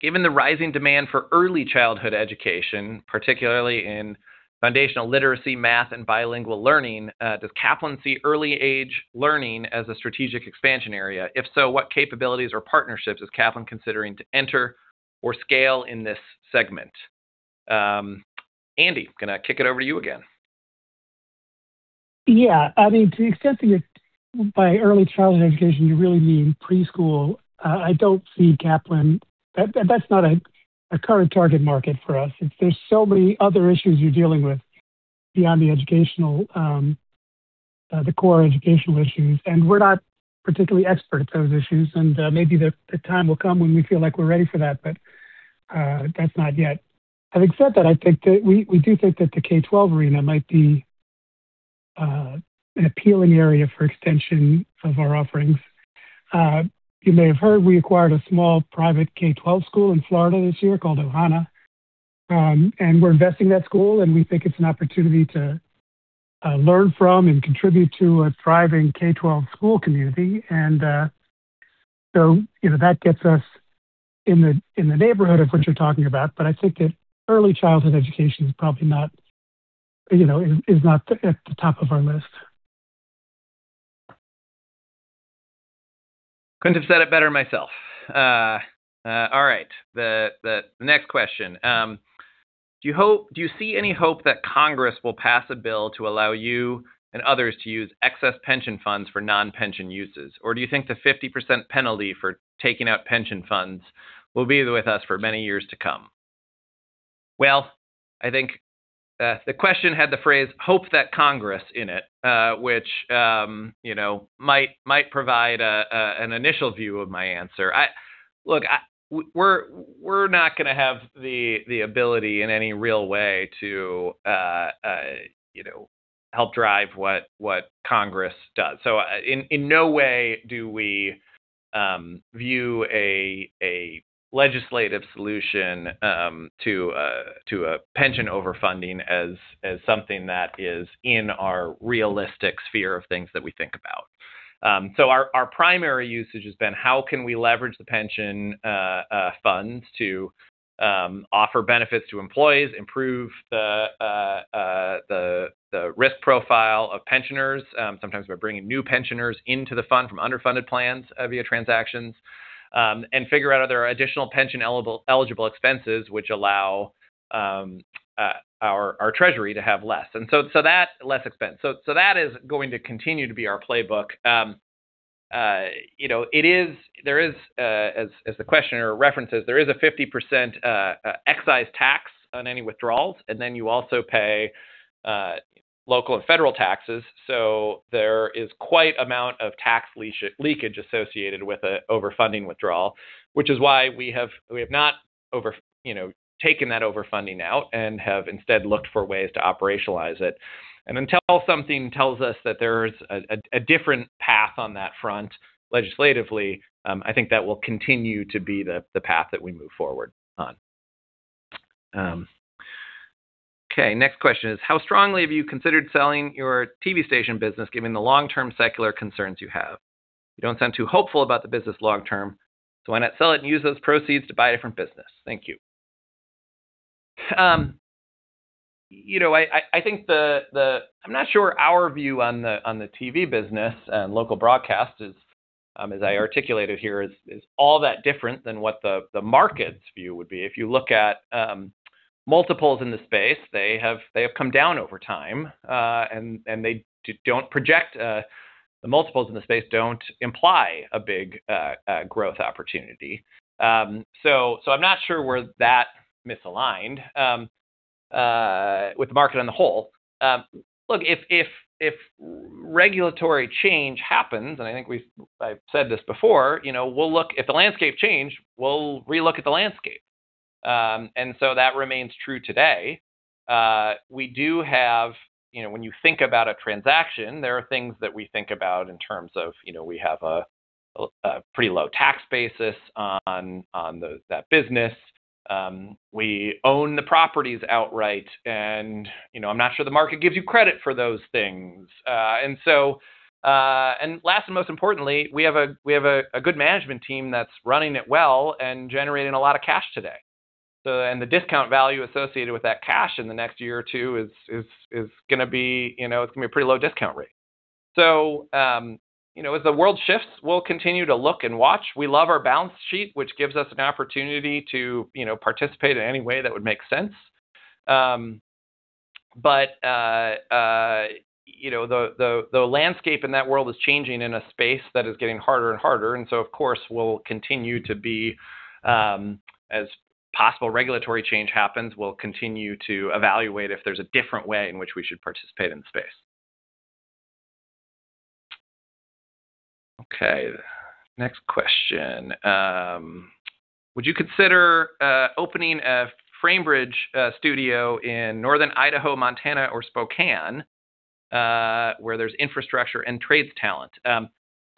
"Given the rising demand for early childhood education, particularly in foundational literacy, math, and bilingual learning, does Kaplan see early age learning as a strategic expansion area? If so, what capabilities or partnerships is Kaplan considering to enter or scale in this segment?" Andy, I'm going to kick it over to you again. Yeah. I mean, to the extent that by early childhood education, you really mean preschool, I don't see Kaplan. That's not a current target market for us. There's so many other issues you're dealing with beyond the core educational issues, and we're not particularly expert at those issues. And maybe the time will come when we feel like we're ready for that, but that's not yet. Having said that, I think that we do think that the K-12 arena might be an appealing area for extension of our offerings. You may have heard we acquired a small private K-12 school in Florida this year called Ohana. And we're investing in that school, and we think it's an opportunity to learn from and contribute to a thriving K-12 school community. And so that gets us in the neighborhood of what you're talking about, but I think that early childhood education is probably not at the top of our list. Couldn't have said it better myself. All right. The next question. Do you see any hope that Congress will pass a bill to allow you and others to use excess pension funds for non-pension uses? Or do you think the 50% penalty for taking out pension funds will be with us for many years to come?" Well, I think the question had the phrase hope that Congress in it, which might provide an initial view of my answer. Look, we're not going to have the ability in any real way to help drive what Congress does. So in no way do we view a legislative solution to a pension overfunding as something that is in our realistic sphere of things that we think about. So, our primary usage has been how can we leverage the pension funds to offer benefits to employees, improve the risk profile of pensioners, sometimes by bringing new pensioners into the fund from underfunded plans via transactions, and figure out are there additional pension eligible expenses which allow our treasury to have less. And so that less expense. So that is going to continue to be our playbook. There is, as the questioner references, there is a 50% excise tax on any withdrawals, and then you also pay local and federal taxes. So there is quite an amount of tax leakage associated with an overfunding withdrawal, which is why we have not taken that overfunding out and have instead looked for ways to operationalize it. Until something tells us that there's a different path on that front legislatively, I think that will continue to be the path that we move forward on. Okay. Next question is, "How strongly have you considered selling your TV station business given the long-term secular concerns you have? You don't sound too hopeful about the business long-term, so why not sell it and use those proceeds to buy a different business? Thank you." I think, I'm not sure our view on the TV business and local broadcast, as I articulated here, is all that different than what the market's view would be. If you look at multiples in the space, they have come down over time, and the multiples in the space don't imply a big growth opportunity. So I'm not sure we're that misaligned with the market on the whole. Look, if regulatory change happens, and I think I've said this before, we'll look if the landscape change, we'll relook at the landscape. And so that remains true today. We do have, when you think about a transaction, there are things that we think about in terms of we have a pretty low tax basis on that business. We own the properties outright, and I'm not sure the market gives you credit for those things. And last and most importantly, we have a good management team that's running it well and generating a lot of cash today. And the discount value associated with that cash in the next year or two is going to be a pretty low discount rate. So as the world shifts, we'll continue to look and watch. We love our balance sheet, which gives us an opportunity to participate in any way that would make sense, but the landscape in that world is changing in a space that is getting harder and harder, and so, of course, we'll continue to be as possible regulatory change happens, we'll continue to evaluate if there's a different way in which we should participate in the space. Okay. Next question. "Would you consider opening a Framebridge studio in Northern Idaho, Montana, or Spokane where there's infrastructure and trades talent?"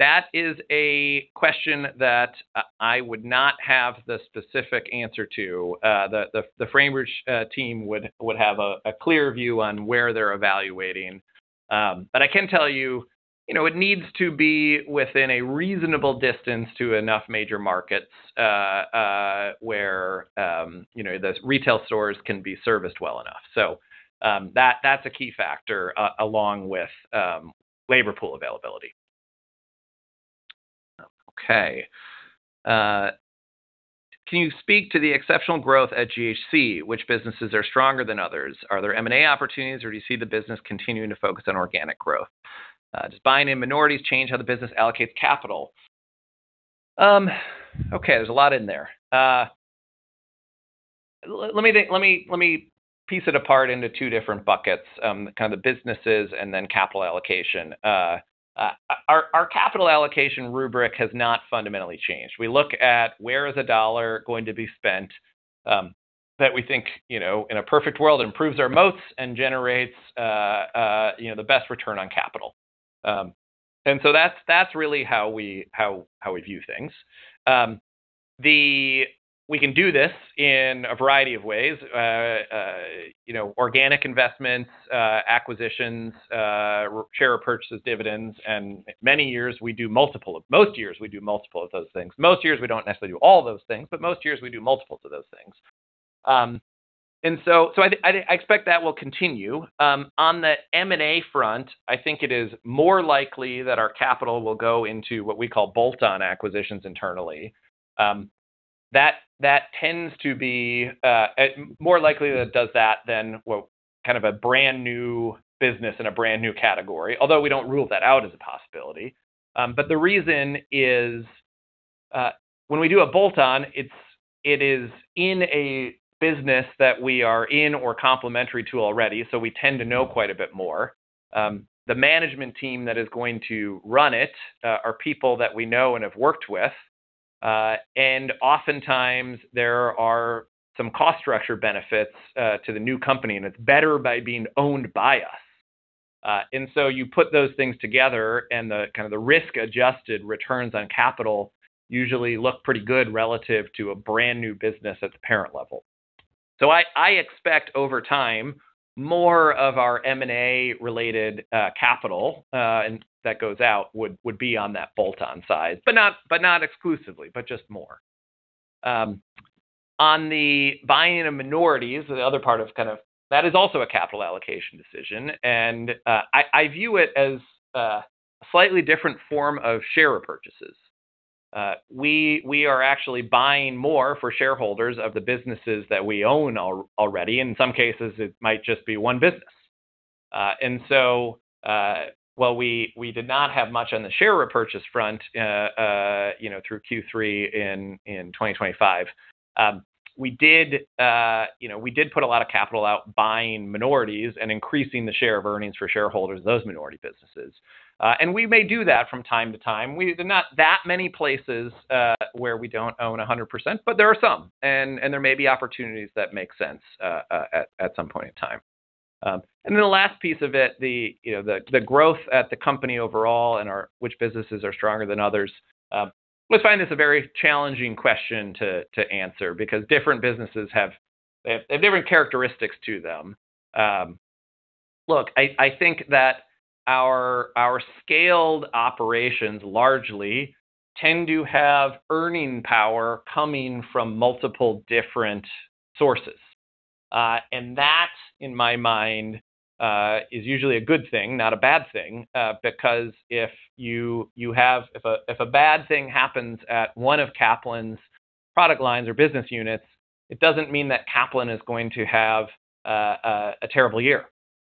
That is a question that I would not have the specific answer to. The Framebridge team would have a clear view on where they're evaluating, but I can tell you it needs to be within a reasonable distance to enough major markets where those retail stores can be serviced well enough, so that's a key factor along with labor pool availability. Okay. Can you speak to the exceptional growth at GHC? Which businesses are stronger than others? Are there M&A opportunities, or do you see the business continuing to focus on organic growth? Does buying in minorities change how the business allocates capital?" Okay. There's a lot in there. Let me piece it apart into two different buckets, kind of the businesses and then capital allocation. Our capital allocation rubric has not fundamentally changed. We look at where is a dollar going to be spent that we think, in a perfect world, improves our moats and generates the best return on capital. And so that's really how we view things. We can do this in a variety of ways: organic investments, acquisitions, share purchases, dividends, and in many years we do multiple of those. Most years we do multiple of those things. Most years, we don't necessarily do all those things, but most years, we do multiples of those things, and so I expect that will continue. On the M&A front, I think it is more likely that our capital will go into what we call bolt-on acquisitions internally. That tends to be more likely that it does that than kind of a brand new business in a brand new category, although we don't rule that out as a possibility, but the reason is when we do a bolt-on, it is in a business that we are in or complementary to already, so we tend to know quite a bit more. The management team that is going to run it are people that we know and have worked with, and oftentimes, there are some cost structure benefits to the new company, and it's better by being owned by us. And so you put those things together, and kind of the risk-adjusted returns on capital usually look pretty good relative to a brand new business at the parent level. So I expect over time, more of our M&A-related capital that goes out would be on that bolt-on side, but not exclusively, but just more. On the buying in minorities, the other part of kind of that is also a capital allocation decision, and I view it as a slightly different form of share purchases. We are actually buying more for shareholders of the businesses that we own already. In some cases, it might just be one business. And so, while we did not have much on the share purchase front through Q3 in 2025, we did put a lot of capital out buying minorities and increasing the share of earnings for shareholders of those minority businesses. And we may do that from time to time. There are not that many places where we don't own 100%, but there are some, and there may be opportunities that make sense at some point in time. And then the last piece of it, the growth at the company overall and which businesses are stronger than others, I find this a very challenging question to answer because different businesses have different characteristics to them. Look, I think that our scaled operations largely tend to have earning power coming from multiple different sources. And that, in my mind, is usually a good thing, not a bad thing, because if a bad thing happens at one of Kaplan's product lines or business units, it doesn't mean that Kaplan is going to have a terrible year.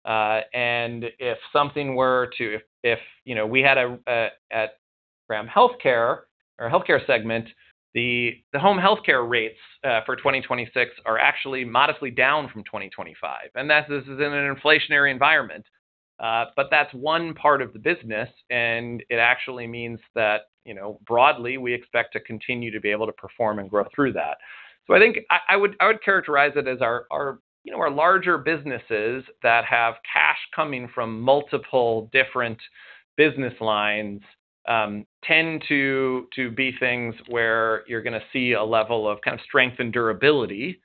If something were to, if we had a home healthcare or healthcare segment, the home healthcare rates for 2026 are actually modestly down from 2025. This is in an inflationary environment, but that's one part of the business, and it actually means that broadly, we expect to continue to be able to perform and grow through that. I think I would characterize it as our larger businesses that have cash coming from multiple different business lines tend to be things where you're going to see a level of kind of strength and durability.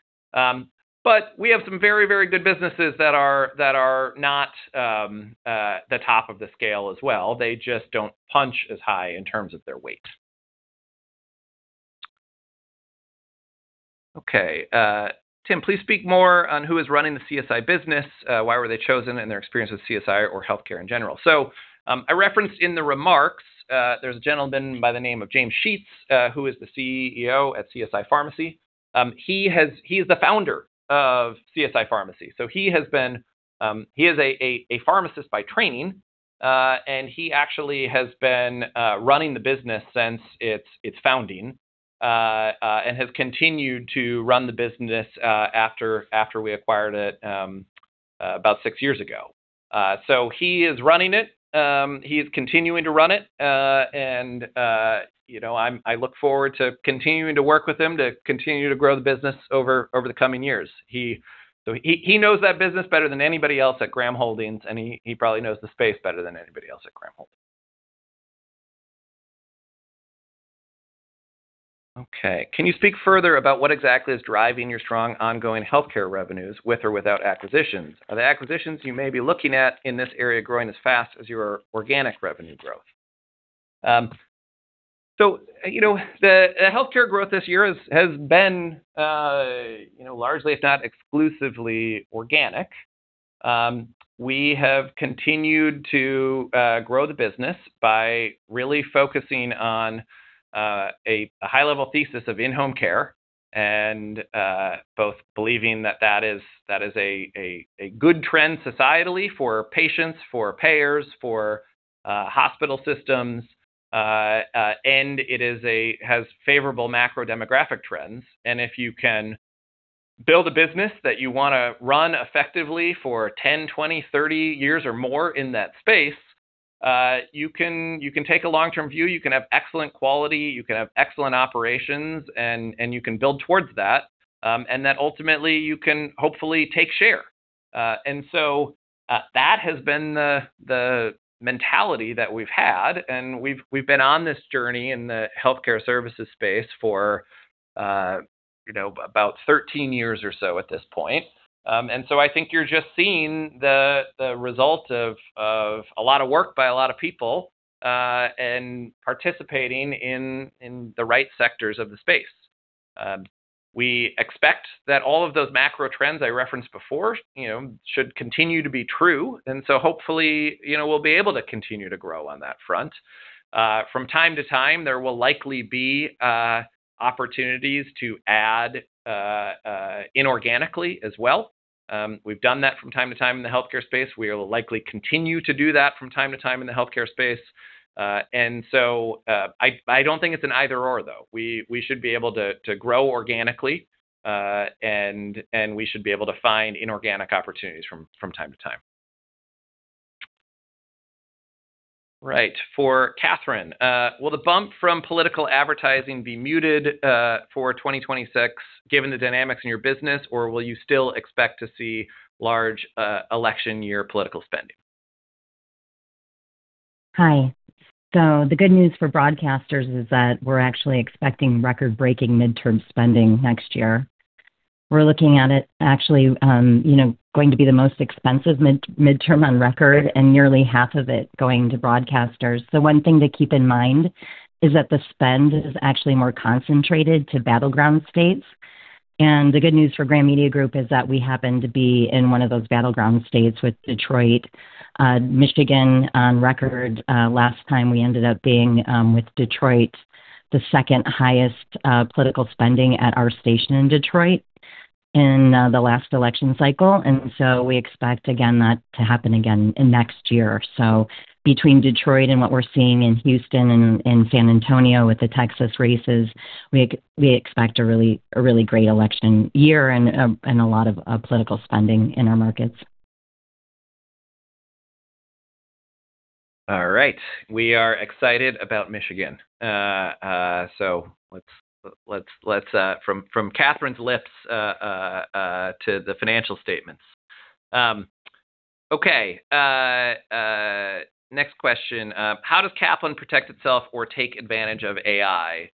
We have some very, very good businesses that are not the top of the scale as well. They just don't punch as high in terms of their weight. Okay. Tim, please speak more on who is running the CSI business, why were they chosen, and their experience with CSI or healthcare in general." So I referenced in the remarks, there's a gentleman by the name of James Sheets who is the CEO at CSI Pharmacy. He is the founder of CSI Pharmacy. So he is a pharmacist by training, and he actually has been running the business since its founding and has continued to run the business after we acquired it about six years ago. So he is running it. He is continuing to run it, and I look forward to continuing to work with him to continue to grow the business over the coming years. So he knows that business better than anybody else at Graham Holdings, and he probably knows the space better than anybody else at Graham Holdings. Okay. Can you speak further about what exactly is driving your strong ongoing healthcare revenues with or without acquisitions? Are there acquisitions you may be looking at in this area growing as fast as your organic revenue growth?" So the healthcare growth this year has been largely, if not exclusively, organic. We have continued to grow the business by really focusing on a high-level thesis of in-home care and both believing that that is a good trend societally for patients, for payers, for hospital systems, and it has favorable macro-demographic trends. And if you can build a business that you want to run effectively for 10, 20, 30 years or more in that space, you can take a long-term view. You can have excellent quality. You can have excellent operations, and you can build towards that, and that ultimately, you can hopefully take share. And so that has been the mentality that we've had, and we've been on this journey in the healthcare services space for about 13 years or so at this point. And so I think you're just seeing the result of a lot of work by a lot of people and participating in the right sectors of the space. We expect that all of those macro trends I referenced before should continue to be true. And so hopefully, we'll be able to continue to grow on that front. From time to time, there will likely be opportunities to add inorganically as well. We've done that from time to time in the healthcare space. We will likely continue to do that from time to time in the healthcare space. And so I don't think it's an either/or though. We should be able to grow organically, and we should be able to find inorganic opportunities from time to time. Right. For Catherine, "Will the bump from political advertising be muted for 2026 given the dynamics in your business, or will you still expect to see large election-year political spending?" Hi. So the good news for broadcasters is that we're actually expecting record-breaking midterm spending next year. We're looking at it actually going to be the most expensive midterm on record and nearly half of it going to broadcasters. So one thing to keep in mind is that the spend is actually more concentrated to battleground states, and the good news for Graham Media Group is that we happen to be in one of those battleground states with Detroit, Michigan on record. Last time, we ended up being with Detroit, the second highest political spending at our station in Detroit in the last election cycle. And so we expect, again, that to happen again next year. So between Detroit and what we're seeing in Houston and San Antonio with the Texas races, we expect a really great election year and a lot of political spending in our markets. All right. We are excited about Michigan. So let's from Catherine's lips to the financial statements. Okay. Next question. "How does Kaplan protect itself or take advantage of AI?"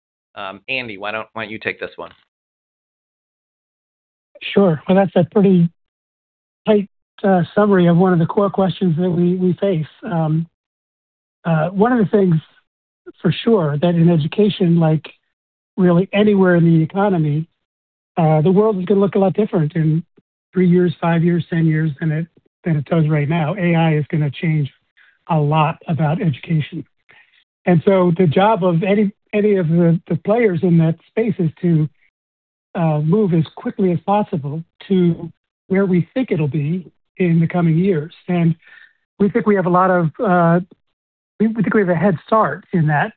Andy, why don't you take this one? Sure. Well, that's a pretty tight summary of one of the core questions that we face. One of the things for sure that in education, like really anywhere in the economy, the world is going to look a lot different in three years, five years, 10 years than it does right now. AI is going to change a lot about education. And so the job of any of the players in that space is to move as quickly as possible to where we think it'll be in the coming years. And we think we have a lot of we think we have a head start in that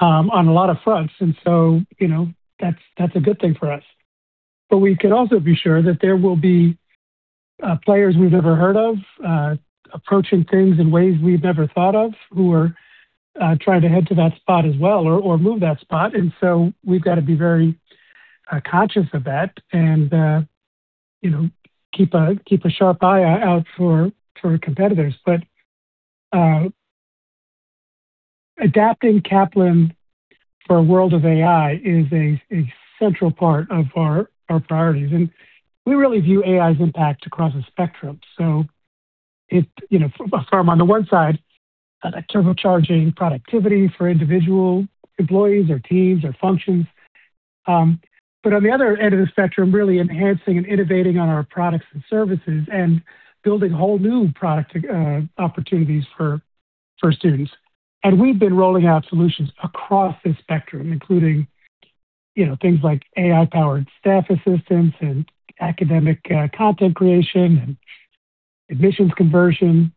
on a lot of fronts. And so that's a good thing for us. But we can also be sure that there will be players we've never heard of approaching things in ways we've never thought of who are trying to head to that spot as well or move that spot. And so we've got to be very conscious of that and keep a sharp eye out for competitors. But adapting Kaplan for a world of AI is a central part of our priorities. And we really view AI's impact across the spectrum. So from on the one side, turbocharging productivity for individual employees or teams or functions. But on the other end of the spectrum, really enhancing and innovating on our products and services and building whole new product opportunities for students. And we've been rolling out solutions across the spectrum, including things like AI-powered staff assistance and academic content creation and admissions conversion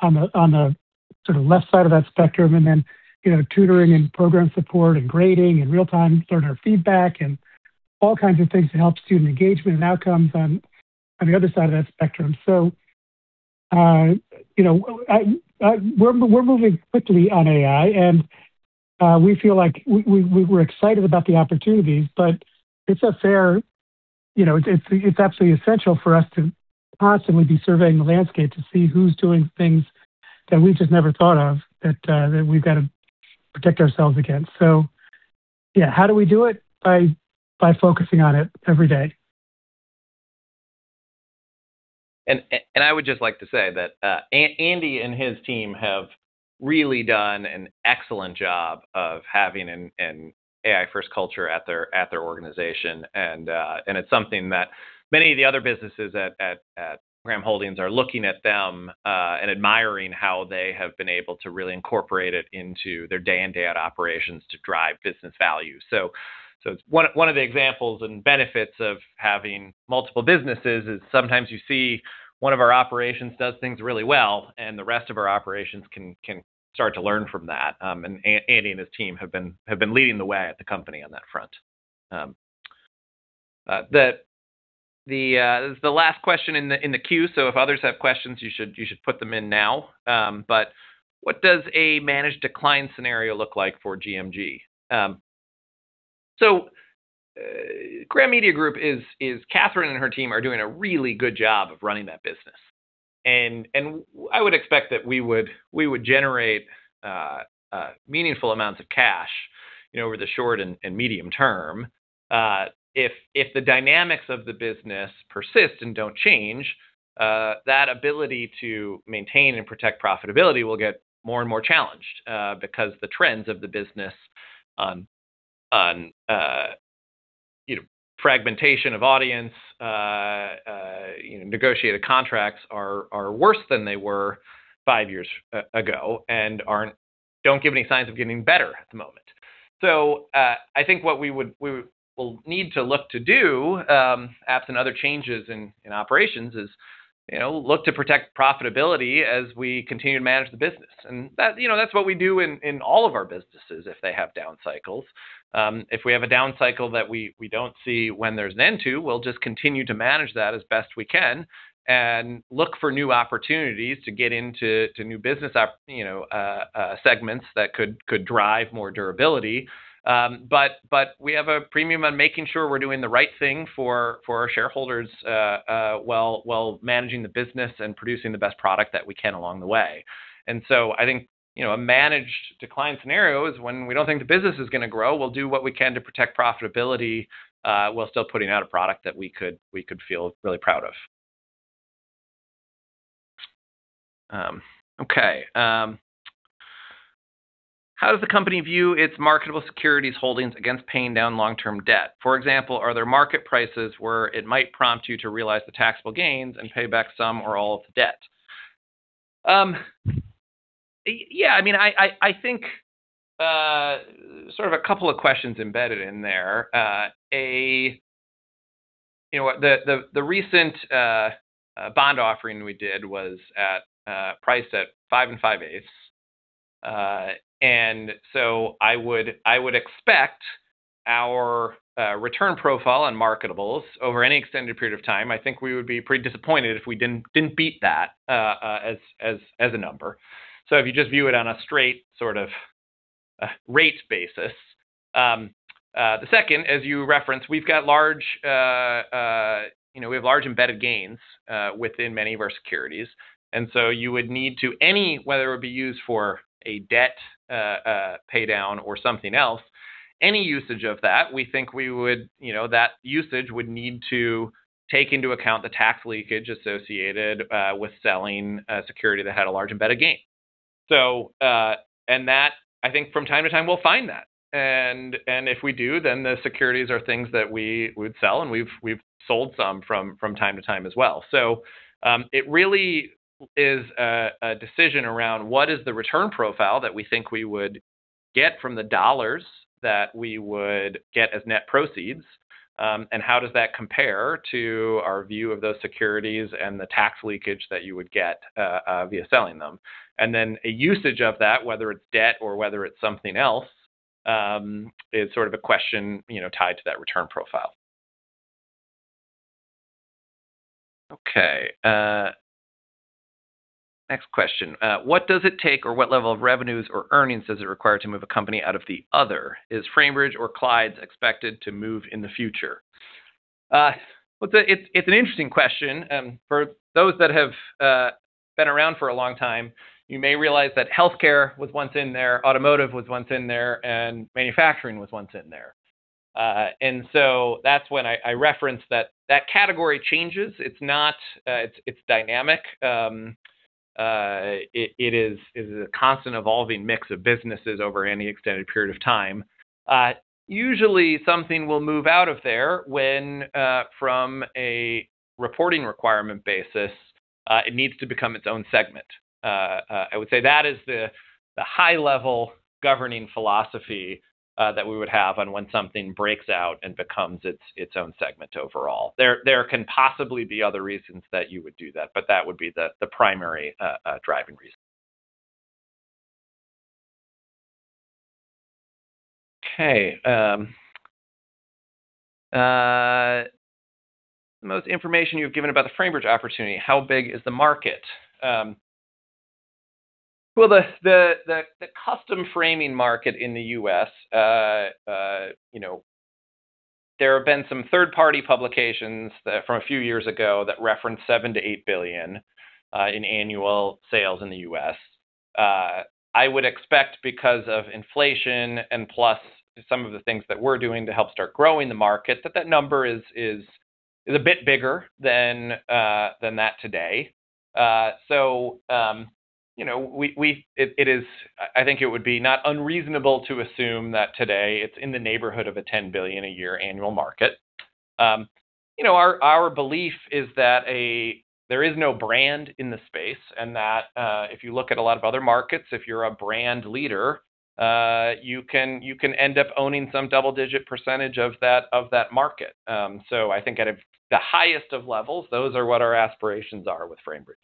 on the sort of left side of that spectrum, and then tutoring and program support and grading and real-time learner feedback and all kinds of things to help student engagement and outcomes on the other side of that spectrum. We're moving quickly on AI, and we feel like we're excited about the opportunities, but it's absolutely essential for us to constantly be surveying the landscape to see who's doing things that we've just never thought of that we've got to protect ourselves against. Yeah, how do we do it? By focusing on it every day. I would just like to say that Andy and his team have really done an excellent job of having an AI-first culture at their organization. It's something that many of the other businesses at Graham Holdings are looking at them and admiring how they have been able to really incorporate it into their day-in, day-out operations to drive business value. So one of the examples and benefits of having multiple businesses is sometimes you see one of our operations does things really well, and the rest of our operations can start to learn from that. And Andy and his team have been leading the way at the company on that front. The last question in the queue, so if others have questions, you should put them in now. But what does a managed decline scenario look like for GMG? So, Graham Media Group, Catherine and her team, are doing a really good job of running that business. And I would expect that we would generate meaningful amounts of cash over the short and medium term. If the dynamics of the business persist and don't change, that ability to maintain and protect profitability will get more and more challenged because the trends of the business on fragmentation of audience, negotiated contracts are worse than they were five years ago and don't give any signs of getting better at the moment, so I think what we will need to look to do, perhaps in other changes in operations, is look to protect profitability as we continue to manage the business, and that's what we do in all of our businesses if they have down cycles. If we have a down cycle that we don't see an end to, we'll just continue to manage that as best we can and look for new opportunities to get into new business segments that could drive more durability. We have a premium on making sure we're doing the right thing for our shareholders while managing the business and producing the best product that we can along the way. So I think a managed decline scenario is when we don't think the business is going to grow, we'll do what we can to protect profitability while still putting out a product that we could feel really proud of. Okay. "How does the company view its marketable securities holdings against paying down long-term debt? For example, are there market prices where it might prompt you to realize the taxable gains and pay back some or all of the debt?" Yeah. I mean, I think sort of a couple of questions embedded in there. The recent bond offering we did was priced at 5.625. And so I would expect our return profile on marketables over any extended period of time. I think we would be pretty disappointed if we didn't beat that as a number. So if you just view it on a straight sort of rate basis. The second, as you referenced, we have large embedded gains within many of our securities. And so you would need to, whether it would be used for a debt paydown or something else, any usage of that. We think that usage would need to take into account the tax leakage associated with selling a security that had a large embedded gain. And I think from time to time, we'll find that. And if we do, then the securities are things that we would sell, and we've sold some from time to time as well. It really is a decision around what is the return profile that we think we would get from the dollars that we would get as net proceeds, and how does that compare to our view of those securities and the tax leakage that you would get via selling them. And then a usage of that, whether it's debt or whether it's something else, is sort of a question tied to that return profile. Okay. Next question. "What does it take or what level of revenues or earnings is it required to move a company out of the other? Is Framebridge or Clyde's expected to move in the future?" It's an interesting question. For those that have been around for a long time, you may realize that healthcare was once in there, automotive was once in there, and manufacturing was once in there. That's when I referenced that category changes. It's dynamic. It is a constant evolving mix of businesses over any extended period of time. Usually, something will move out of there from a reporting requirement basis. It needs to become its own segment. I would say that is the high-level governing philosophy that we would have on when something breaks out and becomes its own segment overall. There can possibly be other reasons that you would do that, but that would be the primary driving reason. Okay. "Most information you've given about the Framebridge opportunity, how big is the market?" Well, the custom framing market in the US, there have been some third-party publications from a few years ago that reference $7-8 billion in annual sales in the US. I would expect, because of inflation and plus some of the things that we're doing to help start growing the market, that that number is a bit bigger than that today. So I think it would be not unreasonable to assume that today it's in the neighborhood of a $10 billion a year annual market. Our belief is that there is no brand in the space and that if you look at a lot of other markets, if you're a brand leader, you can end up owning some double-digit percentage of that market. So I think at the highest of levels, those are what our aspirations are with Framebridge.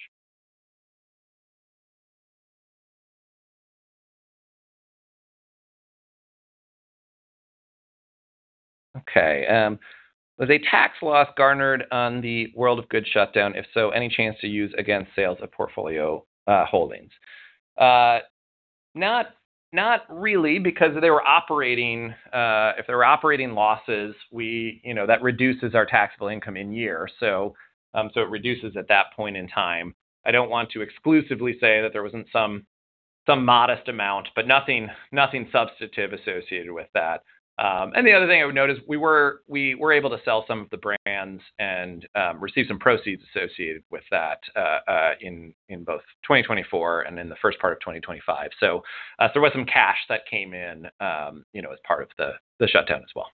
Okay. "Was a tax loss garnered on the World of Good shutdown? If so, any chance to use against sales of portfolio holdings?" Not really, because if they were operating losses, that reduces our taxable income in year. So it reduces at that point in time. I don't want to exclusively say that there wasn't some modest amount, but nothing substantive associated with that. And the other thing I would note is we were able to sell some of the brands and receive some proceeds associated with that in both 2024 and in the first part of 2025. So there was some cash that came in as part of the shutdown as well.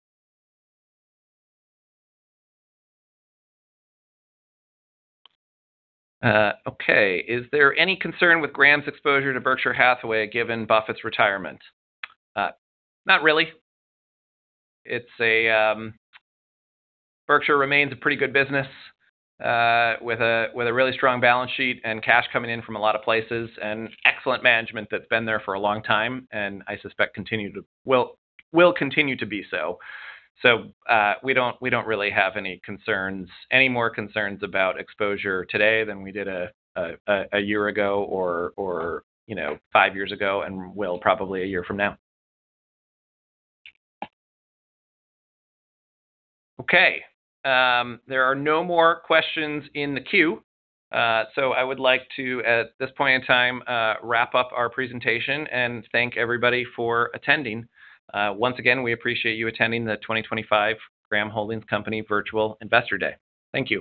Okay. "Is there any concern with Graham's exposure to Berkshire Hathaway given Buffett's retirement?" Not really. Berkshire remains a pretty good business with a really strong balance sheet and cash coming in from a lot of places and excellent management that's been there for a long time and I suspect will continue to be so. So we don't really have any concerns, any more concerns about exposure today than we did a year ago or five years ago and will probably a year from now. Okay. There are no more questions in the queue. So I would like to, at this point in time, wrap up our presentation and thank everybody for attending. Once again, we appreciate you attending the 2025 Graham Holdings Company Virtual Investor Day. Thank you.